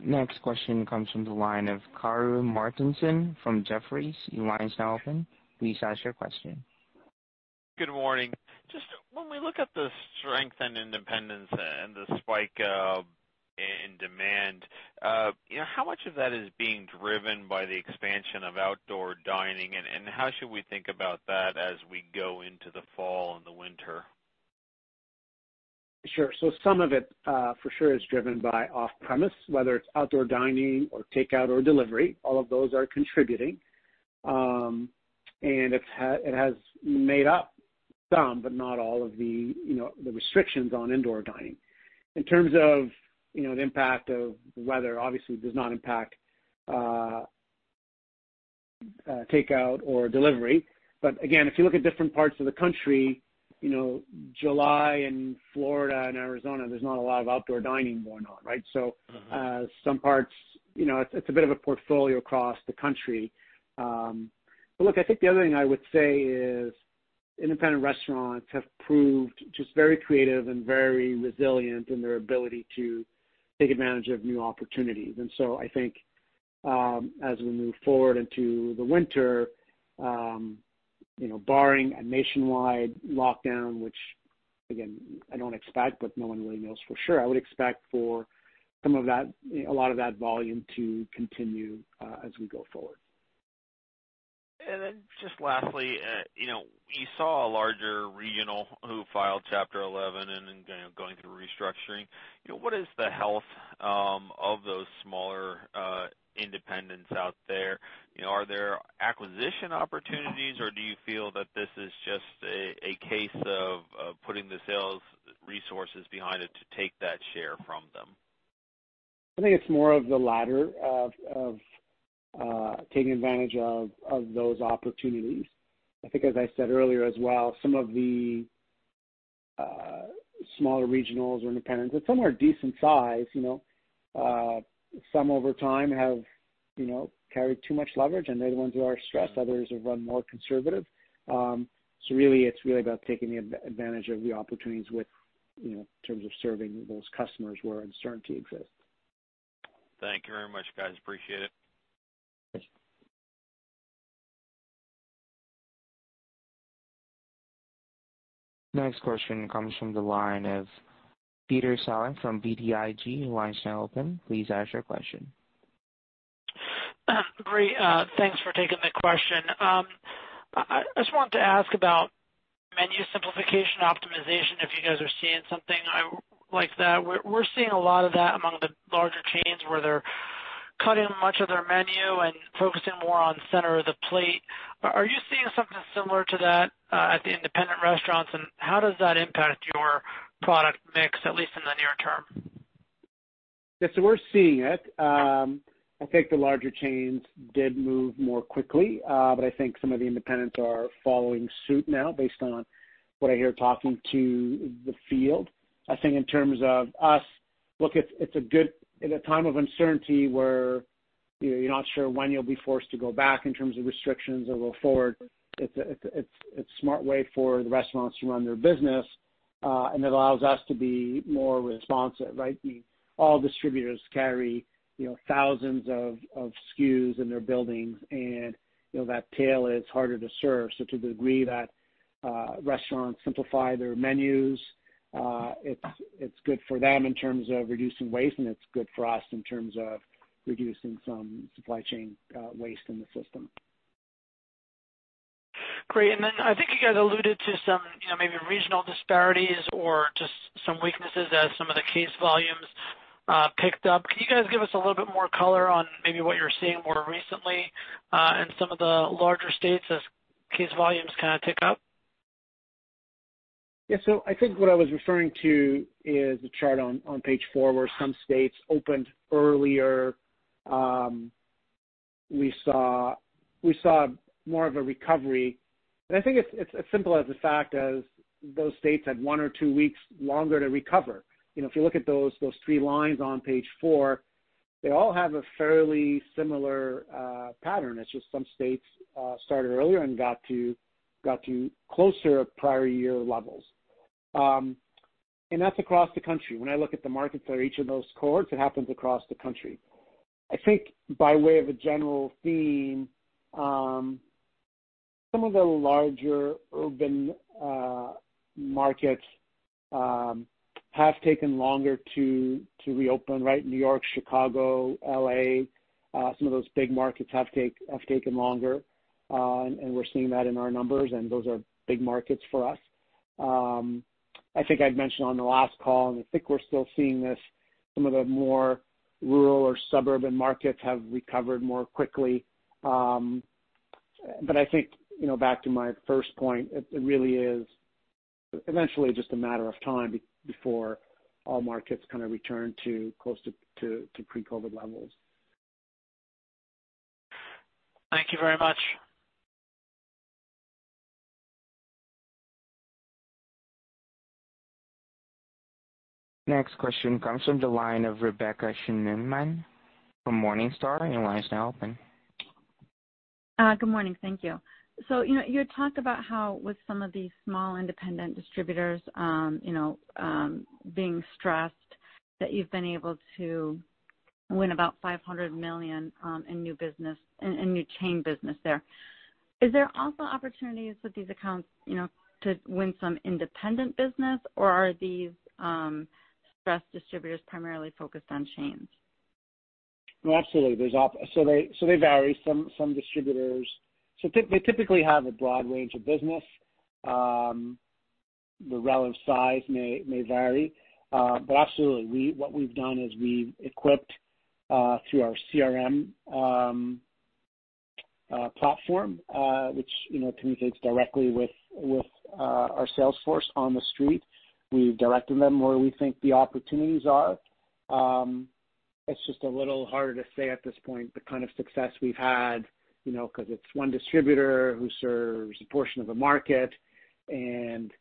Next question comes from the line of Karru Martinson from Jefferies. Your line is now open. Please ask your question.
Good morning. Just when we look at the strength and independence and the spike, in demand, you know, how much of that is being driven by the expansion of outdoor dining? How should we think about that as we go into the fall and the winter?
Sure. Some of it, for sure is driven by off-premise, whether it's outdoor dining or takeout or delivery. All of those are contributing. It has made up some, but not all of the, you know, the restrictions on indoor dining. In terms of, you know, the impact of the weather, obviously does not impact, takeout or delivery. Again, if you look at different parts of the country, you know, July in Florida and Arizona, there's not a lot of outdoor dining going on, right?
Mm-hmm.
Some parts, you know, it's, it's a bit of a portfolio across the country. Look, I think the other thing I would say is, independent restaurants have proved just very creative and very resilient in their ability to take advantage of new opportunities. I think, as we move forward into the winter, you know, barring a nationwide lockdown, which again, I don't expect, but no one really knows for sure, I would expect for some of that, a lot of that volume to continue, as we go forward.
Then just lastly, you know, we saw a larger regional who filed Chapter 11 and, and, you know, going through restructuring. You know, what is the health of those smaller independents out there? You know, are there acquisition opportunities, or do you feel that this is just a, a case of putting the sales resources behind it to take that share from them?
I think it's more of the latter, of, of, taking advantage of, of those opportunities. I think, as I said earlier as well, some of the smaller regionals or independents, and some are decent size, you know. Some over time have, you know, carried too much leverage, and they're the ones who are stressed. Others have run more conservative. Really it's really about taking advantage of the opportunities with, you know, in terms of serving those customers where uncertainty exists.
Thank you very much, guys. Appreciate it.
Thanks.
Next question comes from the line of Peter Saleh from BTIG. Your line is now open. Please ask your question.
Great, thanks for taking the question. I, I just wanted to ask about menu simplification optimization, if you guys are seeing something like that. We're, we're seeing a lot of that among the larger chains, where they're cutting much of their menu and focusing more on center of the plate. Are, are you seeing something similar to that at the independent restaurants? How does that impact your product mix, at least in the near term?
Yes, we're seeing it. I think the larger chains did move more quickly, I think some of the independents are following suit now, based on what I hear talking to the field. I think in terms of us, look, it's, it's a good, in a time of uncertainty where, you know, you're not sure when you'll be forced to go back in terms of restrictions or go forward, it's a, it's a, it's, it's a smart way for the restaurants to run their business. It allows us to be more responsive, right? All distributors carry, you know, thousands of, of SKUs in their buildings, you know, that tail is harder to serve. To the degree that, restaurants simplify their menus, it's, it's good for them in terms of reducing waste, and it's good for us in terms of reducing some supply chain, waste in the system.
Great. Then I think you guys alluded to some, you know, maybe regional disparities or just some weaknesses as some of the case volumes picked up. Can you guys give us a little bit more color on maybe what you're seeing more recently, in some of the larger states as case volumes kind of tick up?
Yeah. I think what I was referring to is the chart on, on page four, where some states opened earlier. We saw, we saw more of a recovery. I think it's, it's as simple as the fact as those states had one or two weeks longer to recover. You know, if you look at those, those three lines on page four. They all have a fairly similar pattern. It's just some states started earlier and got to, got to closer prior year levels. That's across the country. When I look at the markets for each of those cohorts, it happens across the country. I think by way of a general theme, some of the larger urban markets have taken longer to, to reopen, right? New York, Chicago, L.A., some of those big markets have taken longer, and we're seeing that in our numbers, and those are big markets for us. I think I'd mentioned on the last call, and I think we're still seeing this, some of the more rural or suburban markets have recovered more quickly. I think, you know, back to my first point, it, it really is eventually just a matter of time before all markets kind of return to close to, to, to pre-COVID levels.
Thank you very much.
Next question comes from the line of Rebecca Scheuneman from Morningstar. Your line is now open.
Good morning. Thank you. You know, you had talked about how with some of these small independent distributors, you know, being stressed, that you've been able to win about $500 million in new business, in, in new chain business there. Is there also opportunities with these accounts, you know, to win some independent business, or are these stressed distributors primarily focused on chains?
Absolutely, there's they vary. Some distributors, they typically have a broad range of business. The relative size may vary. Absolutely, what we've done is we've equipped through our CRM platform, which, you know, communicates directly with our sales force on the street. We've directed them where we think the opportunities are. It's just a little harder to say at this point, the kind of success we've had, you know, because it's one distributor who serves a portion of the market, and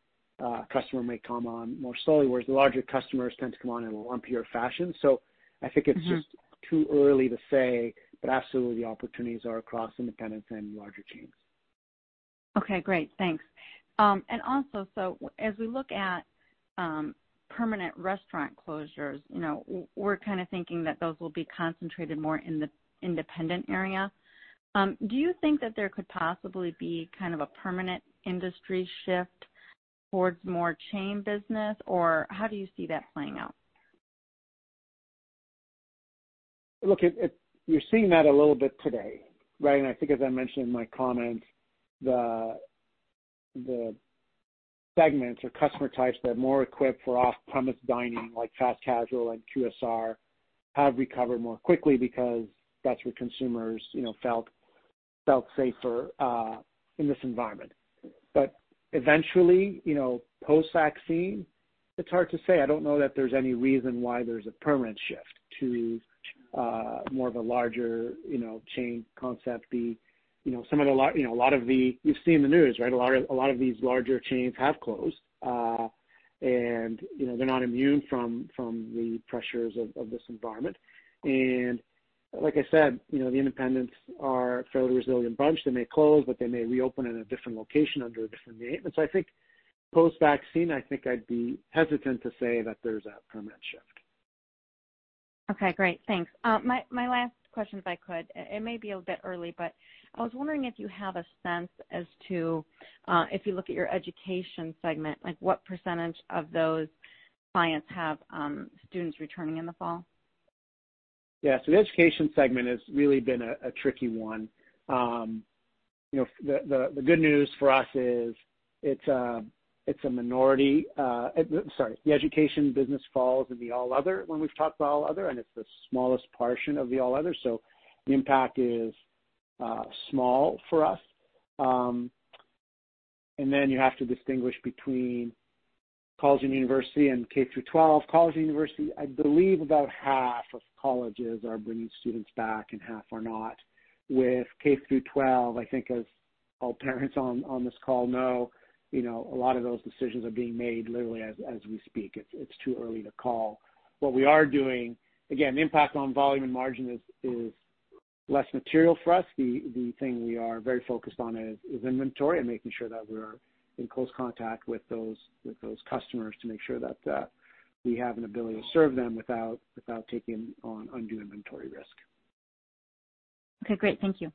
customer may come on more slowly, whereas the larger customers tend to come on in a lumpier fashion. I think it's-
Mm-hmm.
Just too early to say, but absolutely the opportunities are across independents and larger chains.
Okay, great. Thanks. Also, as we look at, permanent restaurant closures, you know, we're kind of thinking that those will be concentrated more in the independent area. Do you think that there could possibly be kind of a permanent industry shift towards more chain business, or how do you see that playing out?
Look, it, it. You're seeing that a little bit today, right? I think, as I mentioned in my comments, the, the segments or customer types that are more equipped for off-premise dining, like fast casual and QSR, have recovered more quickly because that's where consumers, you know, felt, felt safer in this environment. Eventually, you know, post-vaccine, it's hard to say. I don't know that there's any reason why there's a permanent shift to more of a larger, you know, chain concept be, you know, some of the You know, a lot of the. You've seen the news, right? A lot of, a lot of these larger chains have closed. You know, they're not immune from, from the pressures of, of this environment. Like I said, you know, the independents are a fairly resilient bunch. They may close, but they may reopen in a different location under a different name. I think post-vaccine, I think I'd be hesitant to say that there's a permanent shift.
Okay, great. Thanks. My, my last question, if I could, it may be a bit early, but I was wondering if you have a sense as to if you look at your education segment, like, what percentage of those clients have students returning in the fall?
Yeah. The education segment has really been a, a tricky one. You know, the, the, the good news for us is it's a, it's a minority. Sorry, the education business falls in the all other, when we've talked about all other, and it's the smallest portion of the all other. The impact is small for us. Then you have to distinguish between college and university and K through 12. College and university, I believe about half of colleges are bringing students back and half are not. With K through 12, I think, as all parents on, on this call know, you know, a lot of those decisions are being made literally as, as we speak. It's, it's too early to call. What we are doing. Again, impact on volume and margin is, is less material for us. The, the thing we are very focused on is, is inventory and making sure that we're in close contact with those, with those customers to make sure that we have an ability to serve them without, without taking on undue inventory risk.
Okay, great. Thank you.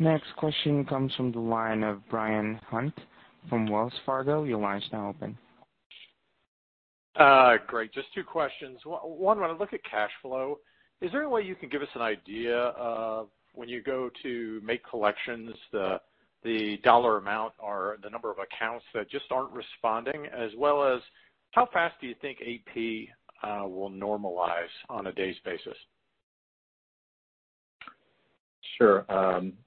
Next question comes from the line of Edward Kelly from Wells Fargo. Your line is now open.
Great. Just two questions. One, when I look at cash flow, is there a way you can give us an idea of when you go to make collections, the dollar amount or the number of accounts that just aren't responding, as well as, how fast do you think AP will normalize on a days basis?
Sure.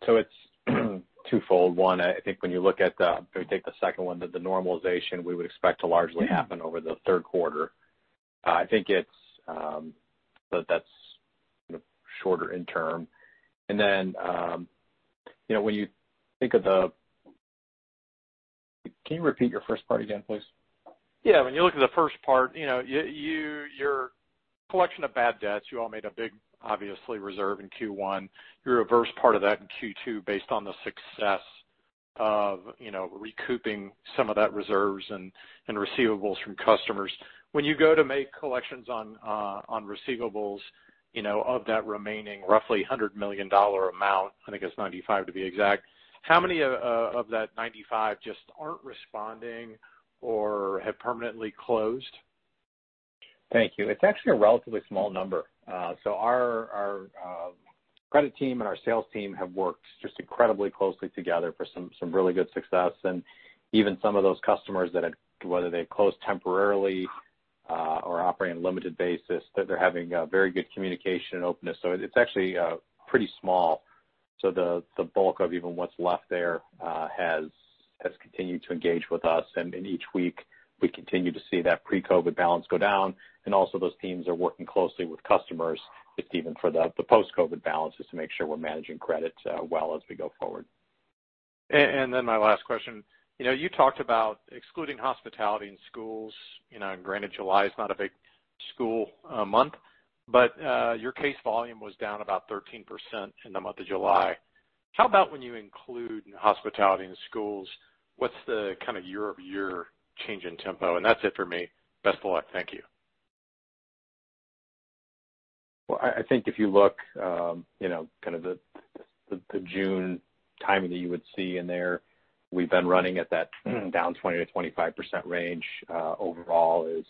It's twofold. One, I think when you look at the-- I'm gonna take the second one, that the normalization we would expect to largely happen over the third quarter. I think it's, that, that's the shorter interim. Then, you know, when you think of the-- Can you repeat your first part again, please?
Yeah. When you look at the first part, you know, your collection of bad debts, you all made a big, obviously, reserve in Q1. You reversed part of that in Q2 based on the success of, you know, recouping some of that reserves and, and receivables from customers. When you go to make collections on receivables, you know, of that remaining roughly $100 million amount, I think it's 95 to be exact. How many of that 95 just aren't responding or have permanently closed?
Thank you. It's actually a relatively small number. Our, our, credit team and our sales team have worked just incredibly closely together for some, some really good success. Even some of those customers that have, whether they've closed temporarily, or operate on a limited basis, they're having, very good communication and openness. It's actually, pretty small. The, the bulk of even what's left there, has, has continued to engage with us, and in each week, we continue to see that pre-COVID balance go down. Also those teams are working closely with customers, just even for the, the post-COVID balances, to make sure we're managing credit, well as we go forward.
My last question? You talked about excluding hospitality and schools, and granted, July is not a big school month, but your case volume was down about 13% in the month of July. How about when you include hospitality and schools? What's the kind of year-over-year change in tempo? That's it for me. Best of luck. Thank you.
Well, I, I think if you look, you know, kind of the, the June timing that you would see in there, we've been running at that down 20%-25% range. Overall is-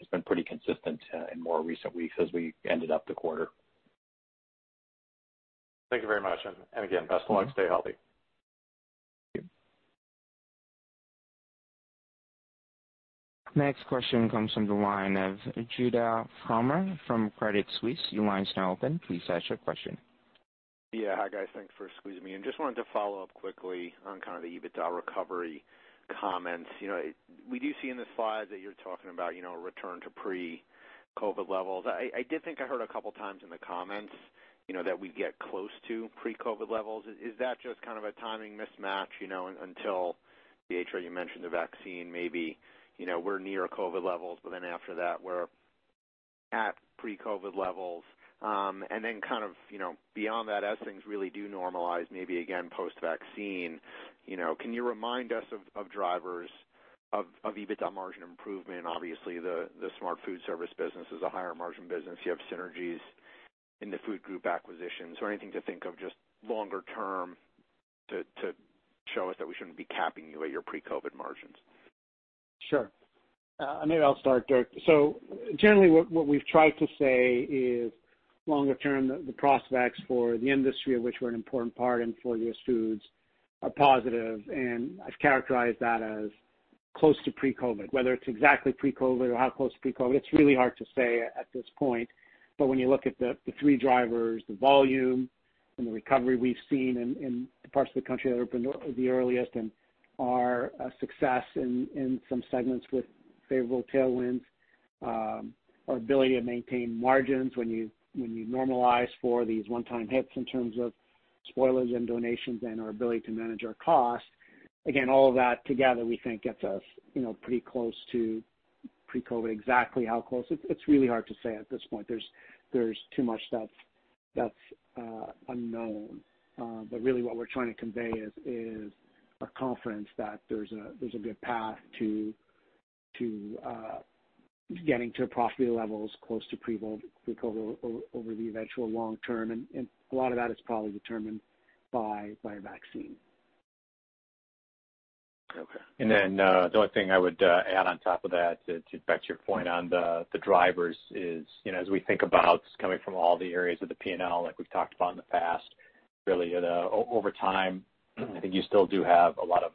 has been pretty consistent in more recent weeks as we ended up the quarter.
Thank you very much. Again, best of luck. Stay healthy.
Thank you.
Next question comes from the line of Judah Frommer from Credit Suisse. Your line is now open. Please ask your question.
Yeah. Hi, guys. Thanks for squeezing me in. Just wanted to follow up quickly on kind of the EBITDA recovery comments. You know, we do see in the slides that you're talking about, you know, a return to pre-COVID levels. I, I did think I heard a couple times in the comments, you know, that we'd get close to pre-COVID levels. Is that just kind of a timing mismatch, you know, until Pietro, you mentioned the vaccine maybe, you know, we're near COVID levels, but then after that, we're at pre-COVID levels. And then kind of, you know, beyond that, as things really do normalize, maybe again, post-vaccine, you know, can you remind us of, of drivers of, of EBITDA margin improvement? Obviously, the, the Smart Foodservice business is a higher margin business. You have synergies in the food group acquisitions or anything to think of, just longer term, to, to show us that we shouldn't be capping you at your pre-COVID margins.
Sure. Maybe I'll start, Dirk. Generally, what, what we've tried to say is longer term, the, the prospects for the industry, of which we're an important part and for US Foods, are positive, and I've characterized that as close to pre-COVID. Whether it's exactly pre-COVID or how close to pre-COVID, it's really hard to say at this point. When you look at the, the three drivers, the volume and the recovery we've seen in, in the parts of the country that opened the earliest, and our success in, in some segments with favorable tailwinds. Our ability to maintain margins when you, when you normalize for these one-time hits in terms of spoilers and donations and our ability to manage our costs. All of that together, we think gets us, you know, pretty close to pre-COVID. Exactly how close? It's, it's really hard to say at this point. There's, there's too much stuff that's unknown. Really what we're trying to convey is, is a confidence that there's a, there's a good path to, to getting to profitability levels close to pre-COVID over the eventual long term, and, and a lot of that is probably determined by, by a vaccine.
Okay.
Then, the only thing I would add on top of that, to back to your point on the drivers is, you know, as we think about this coming from all the areas of the P&L, like we've talked about in the past, really, over time, I think you still do have a lot of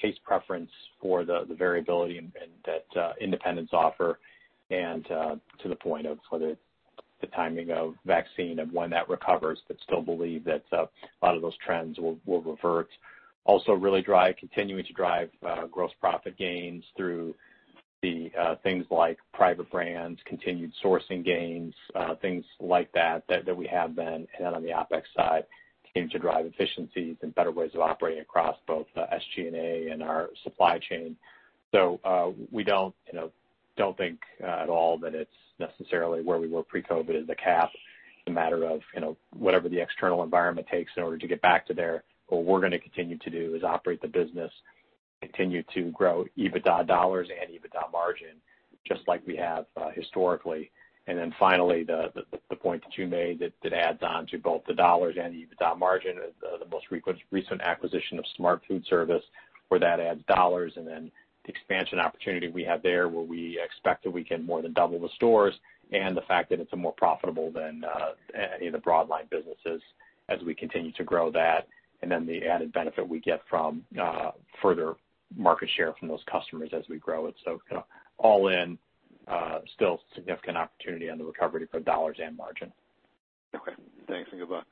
case preference for the variability and that independents offer. To the point of sort of the timing of vaccine and when that recovers, but still believe that a lot of those trends will revert. Really continuing to drive gross profit gains through the things like Exclusive Brands, continued sourcing gains, things like that, that we have been. Then on the OpEx side, continue to drive efficiencies and better ways of operating across both the SG&A and our supply chain. We don't, you know, don't think at all that it's necessarily where we were pre-COVID is a cap. It's a matter of, you know, whatever the external environment takes in order to get back to there, what we're gonna continue to do is operate the business, continue to grow EBITDA dollars and EBITDA margin, just like we have historically. Then finally, the, the, the point that you made that, that adds on to both the dollars and the EBITDA margin is the, the most recent- recent acquisition of Smart Food Service, where that adds dollars, and then the expansion opportunity we have there, where we expect that we can more than double the stores. The fact that it's more profitable than any of the broadline businesses as we continue to grow that, and then the added benefit we get from further market share from those customers as we grow it. Kind of all in, still significant opportunity on the recovery for dollars and margin.
Okay. Thanks, and good luck.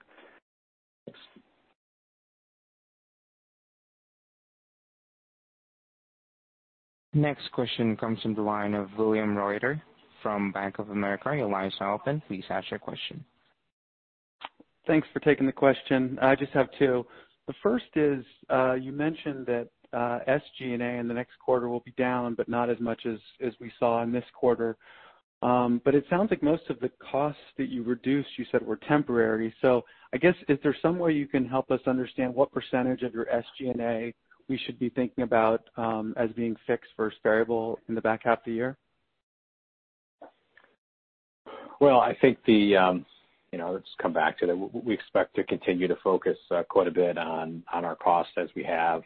Next question comes from the line of William Reuter from Bank of America. Your line is now open. Please ask your question.
Thanks for taking the question. I just have two. The first is, you mentioned that SG&A in the next quarter will be down, but not as much as we saw in this quarter. It sounds like most of the costs that you reduced, you said were temporary. I guess, is there some way you can help us understand what percentage of your SG&A we should be thinking about, as being fixed versus variable in the back half of the year?
Well, I think the, you know, let's come back to that. We, we expect to continue to focus quite a bit on, on our costs as we have.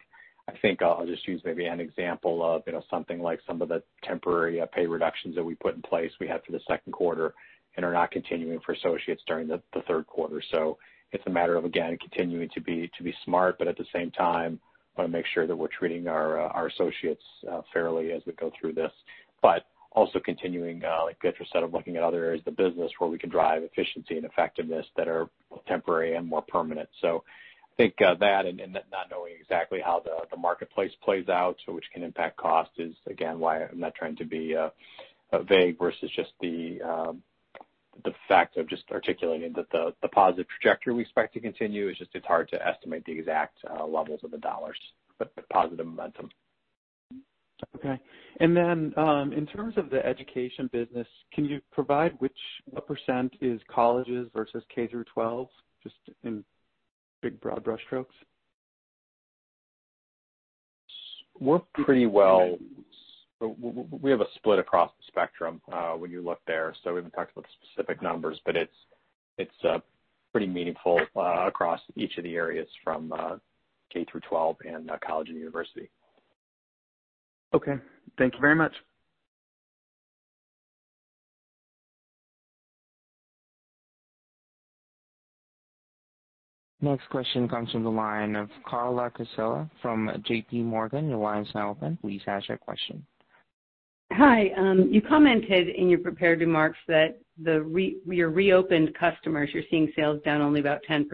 I think I'll just use maybe an example of, you know, something like some of the temporary pay reductions that we put in place we had for the second quarter and are not continuing for associates during the, the third quarter. So it's a matter of, again, continuing to be, to be smart, but at the same time, wanna make sure that we're treating our associates fairly as we go through this. But also continuing, like Geoffrey said, of looking at other areas of the business where we can drive efficiency and effectiveness that are temporary and more permanent. I think, that and, and not knowing exactly how the, the marketplace plays out, so which can impact cost, is again, why I'm not trying to be, vague versus just the, the fact of just articulating that the, the positive trajectory we expect to continue. It's just, it's hard to estimate the exact, levels of the dollars, but the positive momentum.
Okay. In terms of the education business, can you provide which percent is colleges versus K through 12, just in big, broad brushstrokes?
We have a split across the spectrum, when you look there. We haven't talked about specific numbers, but it's, it's, pretty meaningful, across each of the areas from, K through 12 and, college and university.
Okay. Thank you very much.
Next question comes from the line of Carla Casella from J.P. Morgan. Your line is now open. Please ask your question.
Hi. You commented in your prepared remarks that your reopened customers, you're seeing sales down only about 10%.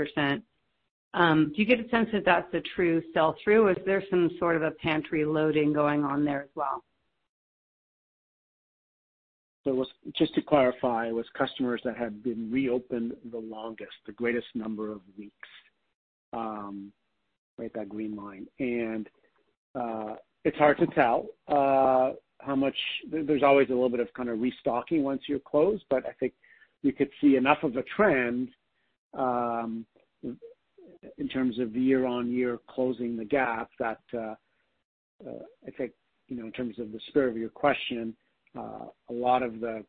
Do you get a sense that that's a true sell-through, or is there some sort of a pantry loading going on there as well?
Just to clarify, it was customers that had been reopened the longest, the greatest number of weeks, right, that green line. It's hard to tell, how much. There's always a little bit of kind of restocking once you're closed, but I think we could see enough of a trend, in terms of year-on-year closing the gap, that, I think, you know, in terms of the spirit of your question, a lot of the,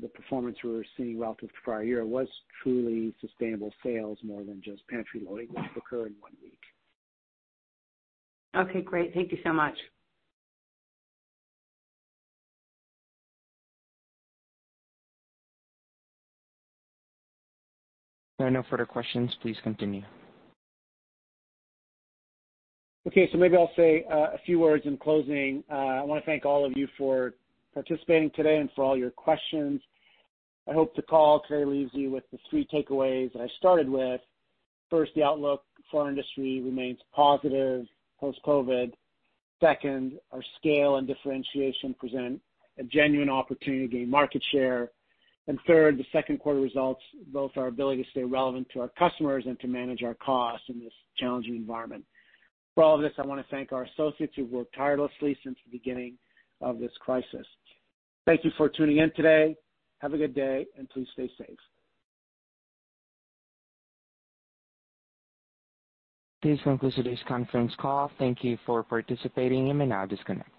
the performance we were seeing relative to prior year was truly sustainable sales more than just pantry loading which occurred in one week.
Okay, great. Thank you so much.
There are no further questions. Please continue.
Okay, maybe I'll say a few words in closing. I wanna thank all of you for participating today and for all your questions. I hope the call clearly leaves you with the three takeaways that I started with. First, the outlook for our industry remains positive post-COVID. Second, our scale and differentiation present a genuine opportunity to gain market share. Third, the second quarter results, both our ability to stay relevant to our customers and to manage our costs in this challenging environment. For all of this, I wanna thank our associates who've worked tirelessly since the beginning of this crisis. Thank you for tuning in today. Have a good day, and please stay safe.
This concludes today's conference call. Thank you for participating, you may now disconnect.